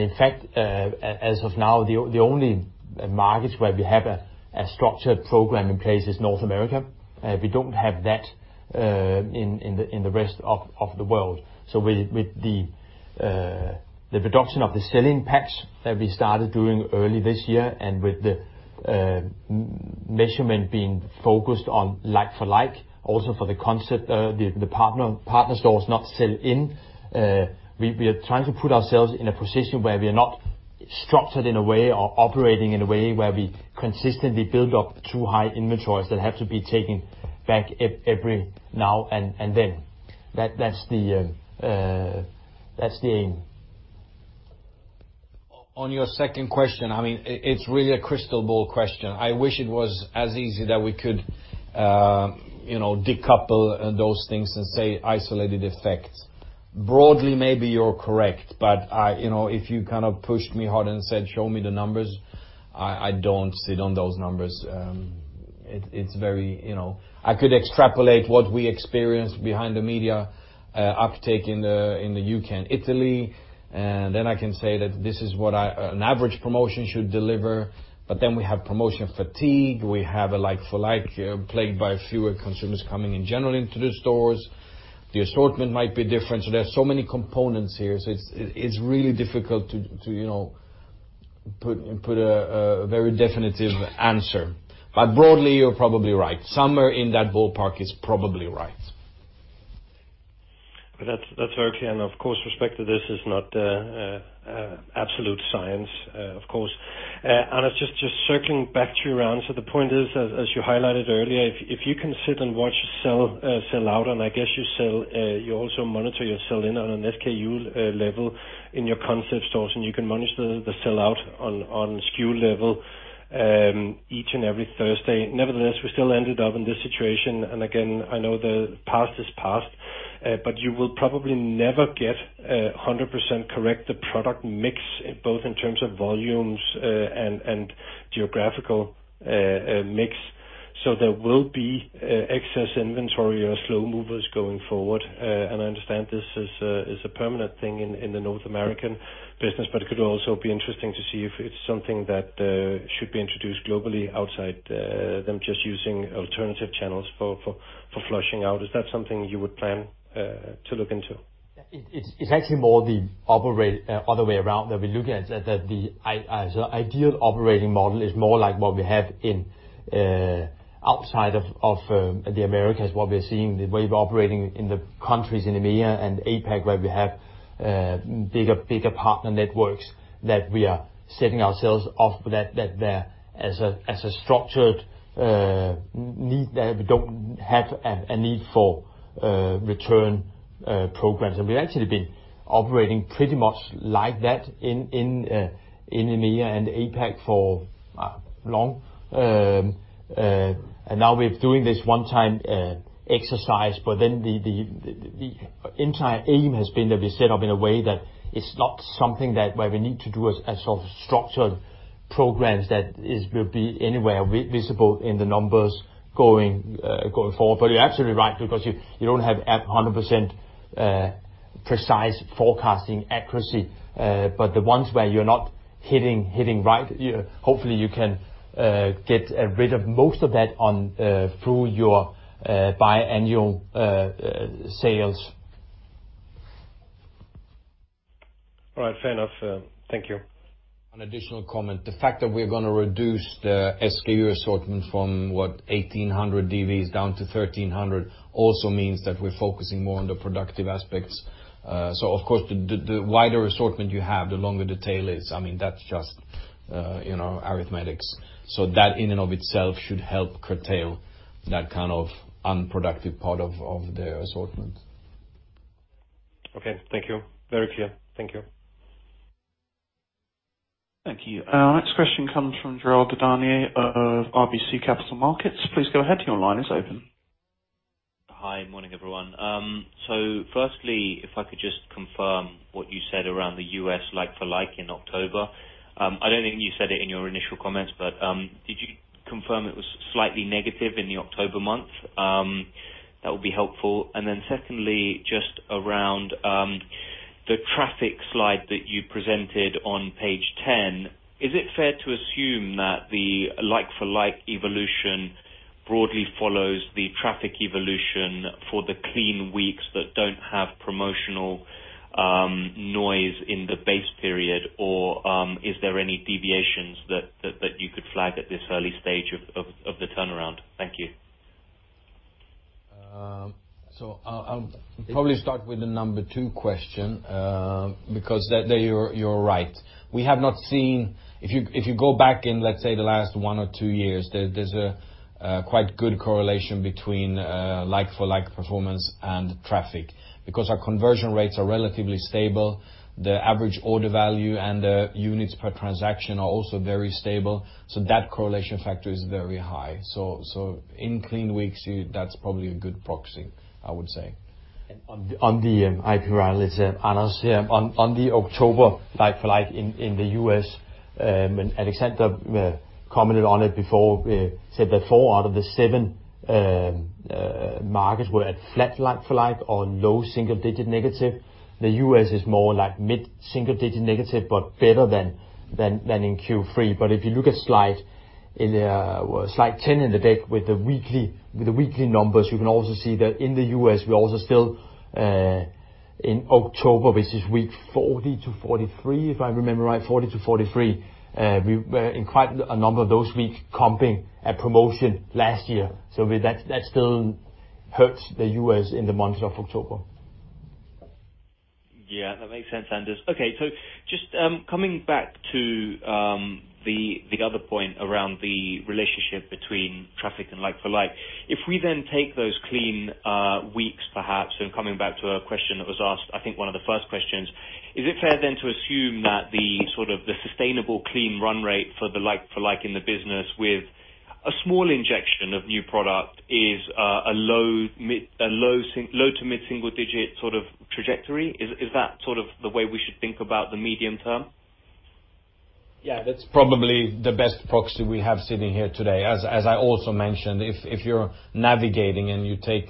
in fact, as of now, the only markets where we have a structured program in place is North America. We don't have that in the rest of the world. So with the reduction of the sell-in packs that we started doing early this year, and with the measurement being focused on like-for-like, also for the concept, the partner stores not sell-in, we are trying to put ourselves in a position where we are not structured in a way or operating in a way where we consistently build up too high inventories that have to be taken back every now and then. That's the aim. On your second question, I mean, it's really a crystal ball question. I wish it was as easy that we could, you know, decouple those things and say, isolated effects. Broadly, maybe you're correct, but I... You know, if you kind of pushed me hard and said, "Show me the numbers," I don't sit on those numbers. It's very, you know—I could extrapolate what we experienced behind the media uptake in the U.K. and Italy, and then I can say that this is what an average promotion should deliver, but then we have promotion fatigue, we have a like-for-like, plagued by fewer consumers coming in general into the stores. The assortment might be different, so there are so many components here, so it's really difficult to, you know, put a very definitive answer. But broadly, you're probably right. Somewhere in that ballpark is probably right. That's very clear, and of course, with respect to this is not absolute science, of course. And it's just circling back to you, Anders. So the point is, as you highlighted earlier, if you can sit and watch sell-out, and I guess you also monitor your sell-in on an SKU level in your concept stores, and you can manage the sell-out on SKU level each and every Thursday. Nevertheless, we still ended up in this situation, and again, I know the past is past, but you will probably never get 100% correct the product mix, both in terms of volumes, and geographical mix. So there will be excess inventory or slow movers going forward, and I understand this is a permanent thing in the North American business, but it could also be interesting to see if it's something that should be introduced globally other than just using alternative channels for flushing out. Is that something you would plan to look into? It's actually more the other way around that we look at it. The ideal operating model is more like what we have outside of the Americas, what we're seeing, the way of operating in the countries in EMEA and APAC, where we have bigger partner networks that we are setting ourselves up there. As a structured need, that we don't have a need for return programs. And we've actually been operating pretty much like that in EMEA and APAC for long. And now we're doing this one time exercise, but then the entire aim has been that we set up in a way that it's not something that where we need to do a sort of structured programs that is, will be anywhere visible in the numbers going forward. But you're absolutely right, because you don't have 100% precise forecasting accuracy, but the ones where you're not hitting right, you hopefully can get rid of most of that through your biannual sales. All right. Fair enough, sir. Thank you. An additional comment. The fact that we're gonna reduce the SKU assortment from what, 1,800 DVs down to 1,300, also means that we're focusing more on the productive aspects. So of course, the wider assortment you have, the longer the tail is. I mean, that's just, you know, arithmetic. So that, in and of itself, should help curtail that kind of unproductive part of the assortment. Okay. Thank you. Very clear. Thank you. Thank you. Our next question comes from Piral Dadhania of RBC Capital Markets. Please go ahead, your line is open.... Hi, morning, everyone. So firstly, if I could just confirm what you said around the U.S. like-for-like in October. I don't think you said it in your initial comments, but, did you confirm it was slightly negative in the October month? That would be helpful. And then secondly, just around the traffic slide that you presented on page 10, is it fair to assume that the like-for-like evolution broadly follows the traffic evolution for the clean weeks that don't have promotional noise in the base period? Or, is there any deviations that you could flag at this early stage of the turnaround? Thank you. So I'll probably start with the number two question, because there, you're right. We have not seen. If you go back in, let's say, the last one or two years, there's a quite good correlation between like-for-like performance and traffic. Because our conversion rates are relatively stable, the average order value and the units per transaction are also very stable, so that correlation factor is very high. So in clean weeks, that's probably a good proxy, I would say. On the October like-for-like in the U.S., and Alexander commented on it before, said that four out of the seven markets were at flat like-for-like or low single-digit negative. The U.S. is more like mid-single-digit negative, but better than in Q3. But if you look at slide 10 in the deck with the weekly numbers, you can also see that in the U.S., we also still in October, which is week 40 to 43, if I remember right, we were in quite a number of those weeks comping at promotion last year. So that still hurts the U.S. in the month of October. Yeah, that makes sense, Anders. Okay. So just coming back to the other point around the relationship between traffic and like-for-like. If we then take those clean weeks, perhaps, and coming back to a question that was asked, I think one of the first questions. Is it fair then to assume that sort of the sustainable clean run rate for the like-for-like in the business with a small injection of new product is a low to mid single digit sort of trajectory? Is that sort of the way we should think about the medium term? Yeah, that's probably the best proxy we have sitting here today. As I also mentioned, if you're navigating and you take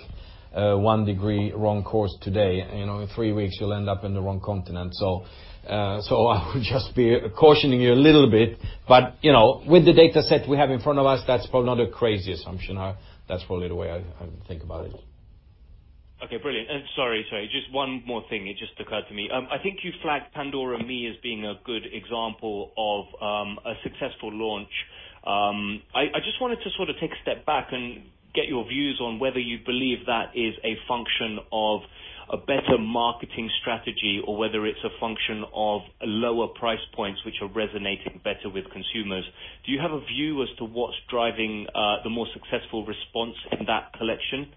one degree wrong course today, you know, in three weeks you'll end up in the wrong continent. So I would just be cautioning you a little bit, but you know, with the data set we have in front of us, that's probably not a crazy assumption. That's probably the way I would think about it. Okay, brilliant. Sorry, sorry, just one more thing. It just occurred to me. I think you flagged Pandora Me as being a good example of a successful launch. I just wanted to sort of take a step back and get your views on whether you believe that is a function of a better marketing strategy, or whether it's a function of lower price points, which are resonating better with consumers. Do you have a view as to what's driving the more successful response in that collection?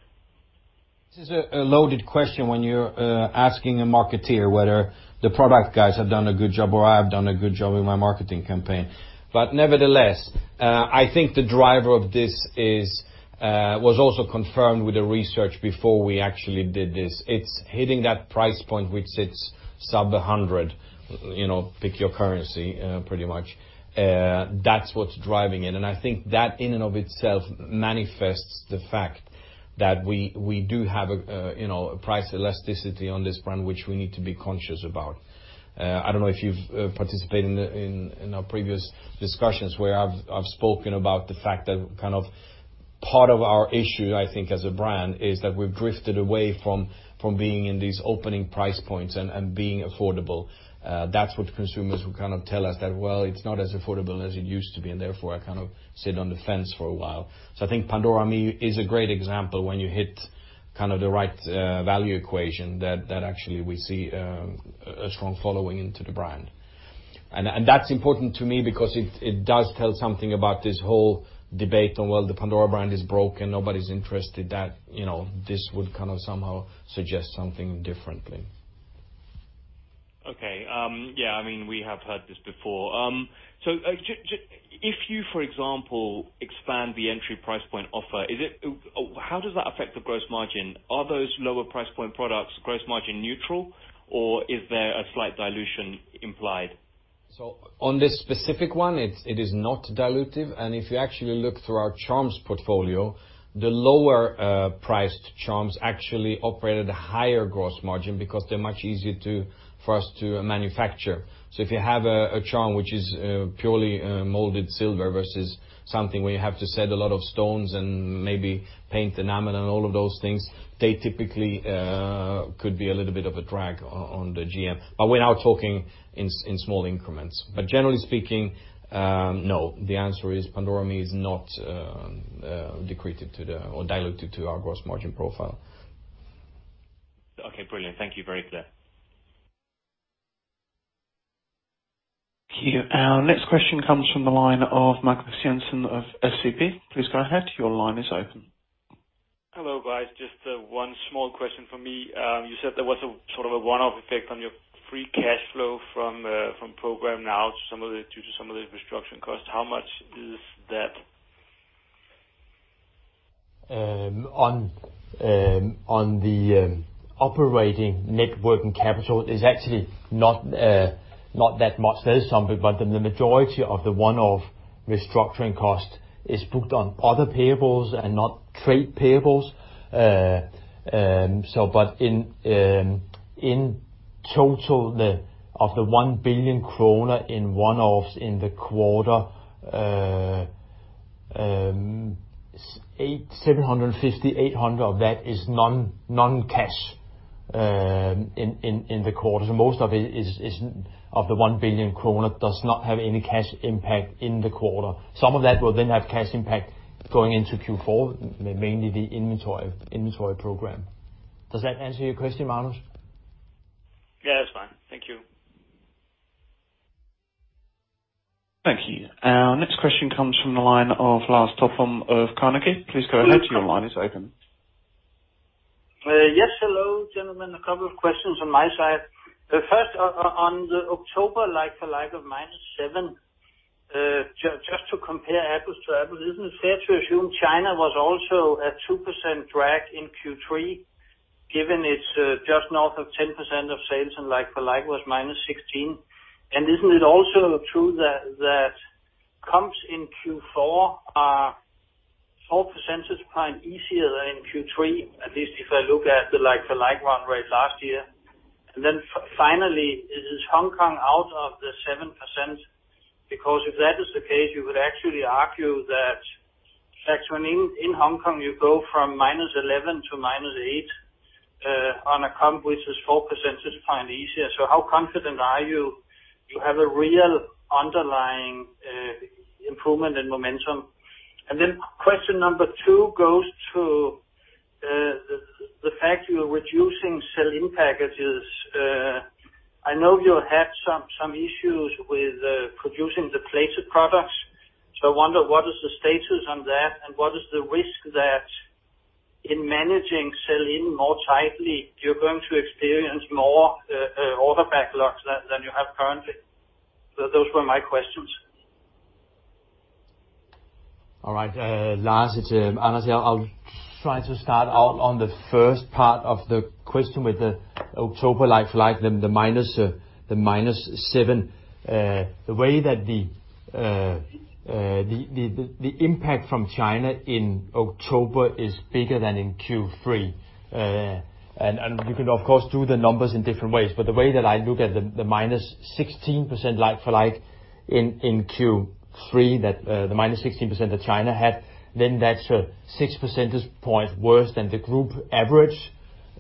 This is a loaded question when you're asking a marketeer whether the product guys have done a good job or I've done a good job in my marketing campaign. But nevertheless, I think the driver of this was also confirmed with the research before we actually did this. It's hitting that price point, which sits sub hundred, you know, pick your currency, pretty much. That's what's driving it. And I think that in and of itself manifests the fact that we, we do have a, you know, a price elasticity on this brand, which we need to be conscious about. I don't know if you've participated in our previous discussions, where I've spoken about the fact that kind of part of our issue, I think, as a brand, is that we've drifted away from being in these opening price points and being affordable. That's what consumers would kind of tell us, that, "Well, it's not as affordable as it used to be, and therefore I kind of sit on the fence for a while." So I think Pandora Me is a great example when you hit kind of the right value equation, that actually we see a strong following into the brand. And that's important to me because it does tell something about this whole debate on, well, the Pandora brand is broken, nobody's interested, that, you know, this would kind of somehow suggest something differently. Okay, yeah, I mean, we have heard this before. So if you, for example, expand the entry price point offer, is it... How does that affect the gross margin? Are those lower price point products gross margin neutral, or is there a slight dilution implied? So on this specific one, it's, it is not dilutive. And if you actually look through our charms portfolio, the lower priced charms actually operate at a higher gross margin because they're much easier to, for us to manufacture. So if you have a, a charm which is, purely molded silver versus something where you have to set a lot of stones and maybe paint the enamel and all of those things, they typically could be a little bit of a drag on the GM, but we're now talking in, small increments. But generally speaking, no, the answer is Pandora Me is not, decreased to the or diluted to our gross margin profile. Okay, brilliant. Thank you. Very clear. Thank you. Our next question comes from the line of Magnus Jensen of SEB. Please go ahead. Your line is open. Hello, guys. Just, one small question for me. You said there was a sort of a one-off effect on your free cash flow from Programme NOW, due to some of the restructuring costs. How much is that? ...On the operating net working capital is actually not that much. There is something, but the majority of the one-off restructuring cost is booked on other payables and not trade payables. So but in total, of the 1 billion kroner in one-offs in the quarter, 750 million-800 million of that is non-cash in the quarter. So most of it is of the 1 billion kroner does not have any cash impact in the quarter. Some of that will then have cash impact going into Q4, mainly the inventory program. Does that answer your question, Magnus? Yeah, that's fine. Thank you. Thank you. Our next question comes from the line of Lars Topholm of Carnegie. Please go ahead, your line is open. Yes, hello, gentlemen. A couple of questions on my side. The first, on the October like-for-like of -7%, just to compare apples to apples, isn't it fair to assume China was also a 2% drag in Q3, given it's just north of 10% of sales, and like-for-like was -16%? And isn't it also true that comps in Q4 are four percentage point easier than in Q3, at least if I look at the like-for-like run rate last year? And then finally, is Hong Kong out of the 7%? Because if that is the case, you would actually argue that actually, when in Hong Kong, you go from -11% to -8%, on a comp, which is four percentage point easier. So how confident are you, you have a real underlying improvement in momentum? And then question number two goes to the fact you are reducing sell-in packages. I know you had some issues with producing the plated products, so I wonder, what is the status on that, and what is the risk that in managing sell-in more tightly, you're going to experience more order backlogs than you have currently? So those were my questions. All right, Lars, it's Anders here. I'll try to start out on the first part of the question with the October like-for-like, the -7%. The way that the impact from China in October is bigger than in Q3. And you can, of course, do the numbers in different ways, but the way that I look at the -16% like-for-like in Q3, that the -16% that China had, then that's six percentage points worse than the group average.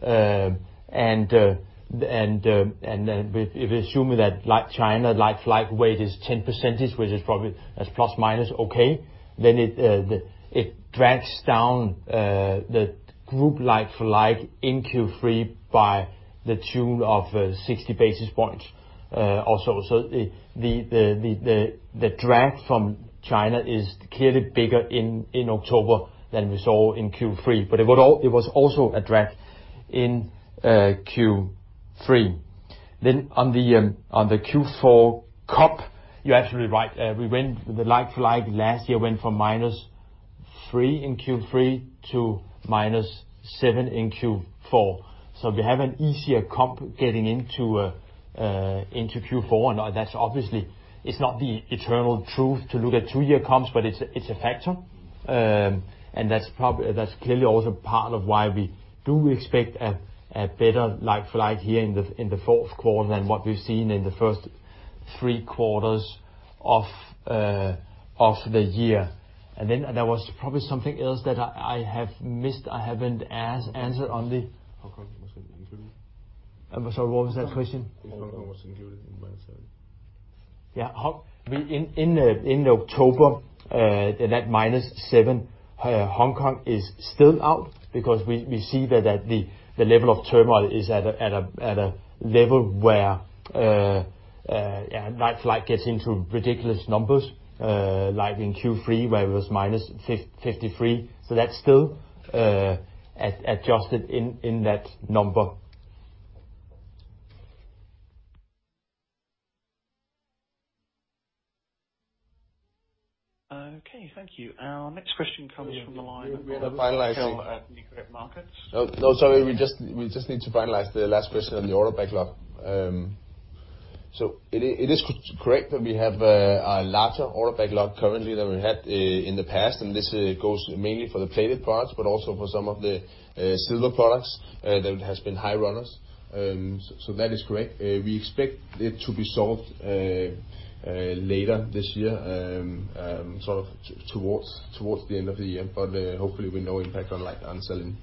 And then if assuming that like China like-for-like weight is 10%, which is probably ±, okay, then it drags down the group like-for-like in Q3 by the tune of 60 basis points, also. So the drag from China is clearly bigger in October than we saw in Q3, but it was also a drag in Q3. Then on the Q4 comp, you're absolutely right. We went... The like-for-like last year went from -3% in Q3 to -7% in Q4. So we have an easier comp getting into Q4. And that's obviously, it's not the eternal truth to look at two-year comps, but it's a factor. And that's probably, that's clearly also part of why we do expect a better like-for-like here in the fourth quarter than what we've seen in the first three quarters of the year. And then there was probably something else that I have missed. I haven't answered on the- Hong Kong was included. I'm sorry, what was that question? Hong Kong was included in -7%. Yeah. In October, that -7%, Hong Kong is still out because we see that the level of turmoil is at a level where like-for-like gets into ridiculous numbers, like in Q3, where it was -53%. So that's still adjusted in that number. Okay, thank you. Our next question comes from the line- We are finalizing. Nykredit Markets. No, no, sorry. We just, we just need to finalize the last question on the order backlog. So it is, it is correct that we have a larger order backlog currently than we had in the past, and this goes mainly for the plated products, but also for some of the silver products that has been high runners. So that is correct. We expect it to be solved later this year, sort of towards the end of the year, but hopefully with no impact on like on selling.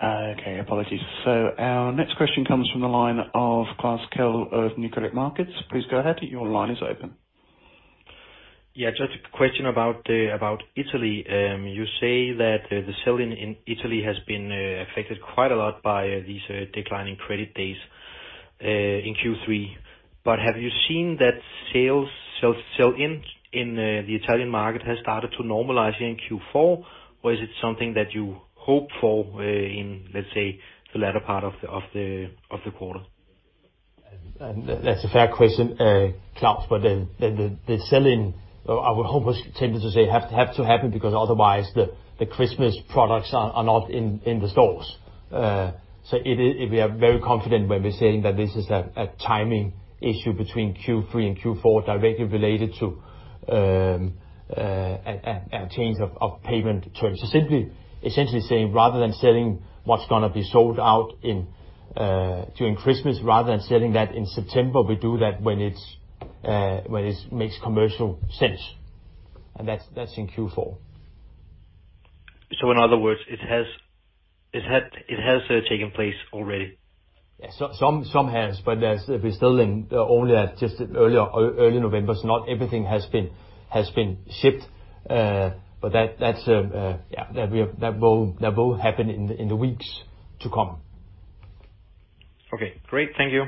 Okay, apologies. Our next question comes from the line of Klaus Kehl of Nykredit Markets. Please go ahead, your line is open. Yeah, just a question about Italy. You say that the sell-in in Italy has been affected quite a lot by these declining credit days in Q3. But have you seen that sell-in in the Italian market has started to normalize in Q4, or is it something that you hope for in, let's say, the latter part of the quarter?... And that's a fair question, Klaus, but then the sell-in, I would almost tempted to say, have to happen because otherwise the Christmas products are not in the stores. So it is, we are very confident when we're saying that this is a timing issue between Q3 and Q4, directly related to a change of payment terms. So simply, essentially saying, rather than selling what's gonna be sold out during Christmas, rather than selling that in September, we do that when it makes commercial sense, and that's in Q4. So in other words, it has, it had, it has, taken place already? Yes. Some has, but we're still only just at early November, so not everything has been shipped. But that's, yeah, that will happen in the weeks to come. Okay, great. Thank you.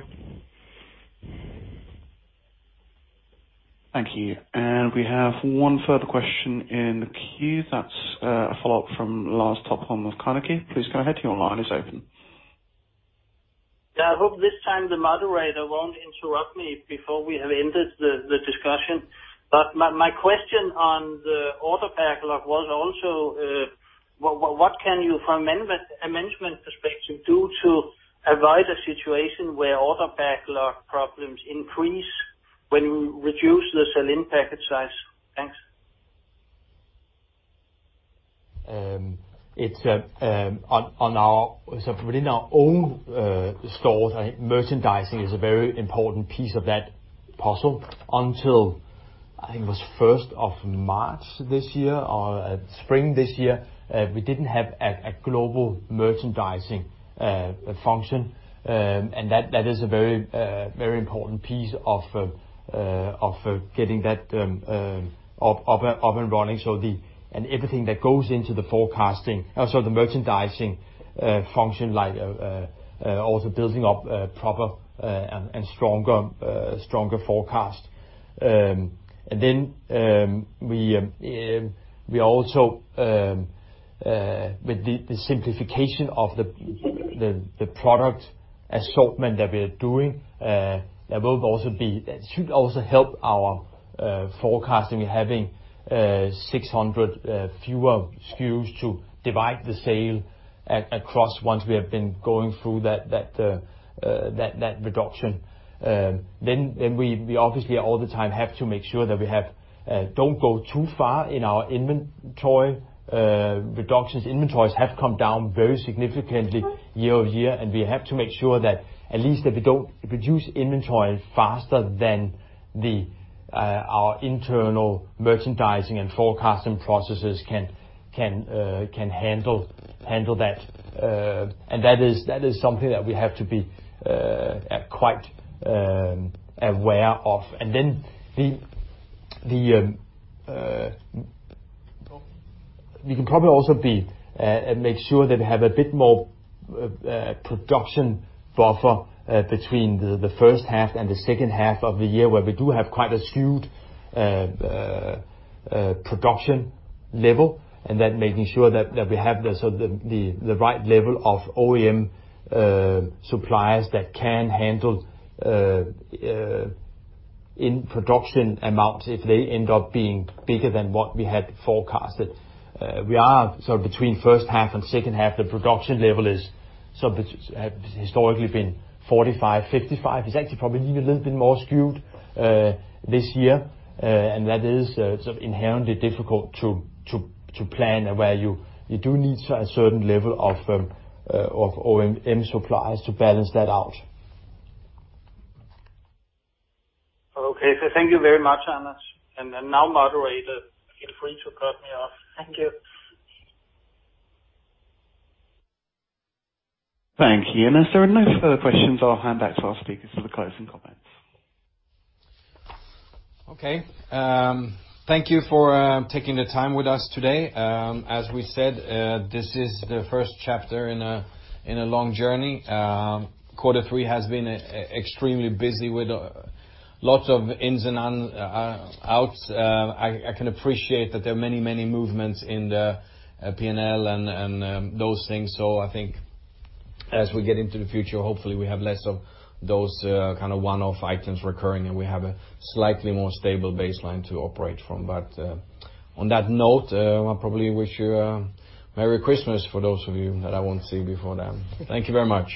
Thank you. And we have one further question in the queue. That's a follow-up from last topic from Carnegie. Please go ahead, your line is open. Yeah, I hope this time the moderator won't interrupt me before we have ended the discussion. But my question on the order backlog was also, what can you, from a management perspective, do to avoid a situation where order backlog problems increase when you reduce the sell-in package size? Thanks. It's on our, so within our own stores, I think merchandising is a very important piece of that puzzle. Until, I think it was 1st of March this year, or spring this year, we didn't have a global merchandising function. And that is a very important piece of getting that up and running. So the... And everything that goes into the forecasting, so the merchandising function like also building up a proper and stronger forecast. And then, we also, with the simplification of the product assortment that we're doing, that should also help our forecasting, having 600 fewer SKUs to divide the sales across, once we have been going through that reduction. Then we obviously all the time have to make sure that we don't go too far in our inventory reductions. Inventories have come down very significantly year-over-year, and we have to make sure that at least that we don't reduce inventory faster than our internal merchandising and forecasting processes can handle that. And that is something that we have to be quite aware of. And then we can probably also make sure that we have a bit more production buffer between the first half and the second half of the year, where we do have quite a skewed production level, and then making sure that we have the right level of OEM suppliers that can handle in production amounts, if they end up being bigger than what we had forecasted. So between first half and second half, the production level is historically 45/55. It's actually probably even a little bit more skewed this year. And that is sort of inherently difficult to plan where you do need a certain level of OEM suppliers to balance that out. Okay. So thank you very much, Anders. And then, now, moderator, feel free to cut me off. Thank you. Thank you. As there are no further questions, I'll hand back to our speakers for the closing comments. Okay, thank you for taking the time with us today. As we said, this is the first chapter in a long journey. Quarter three has been extremely busy with lots of ins and outs. I can appreciate that there are many, many movements in the P&L and those things. So I think as we get into the future, hopefully we have less of those kind of one-off items recurring, and we have a slightly more stable baseline to operate from. But on that note, I'll probably wish you a merry Christmas for those of you that I won't see before then. Thank you very much.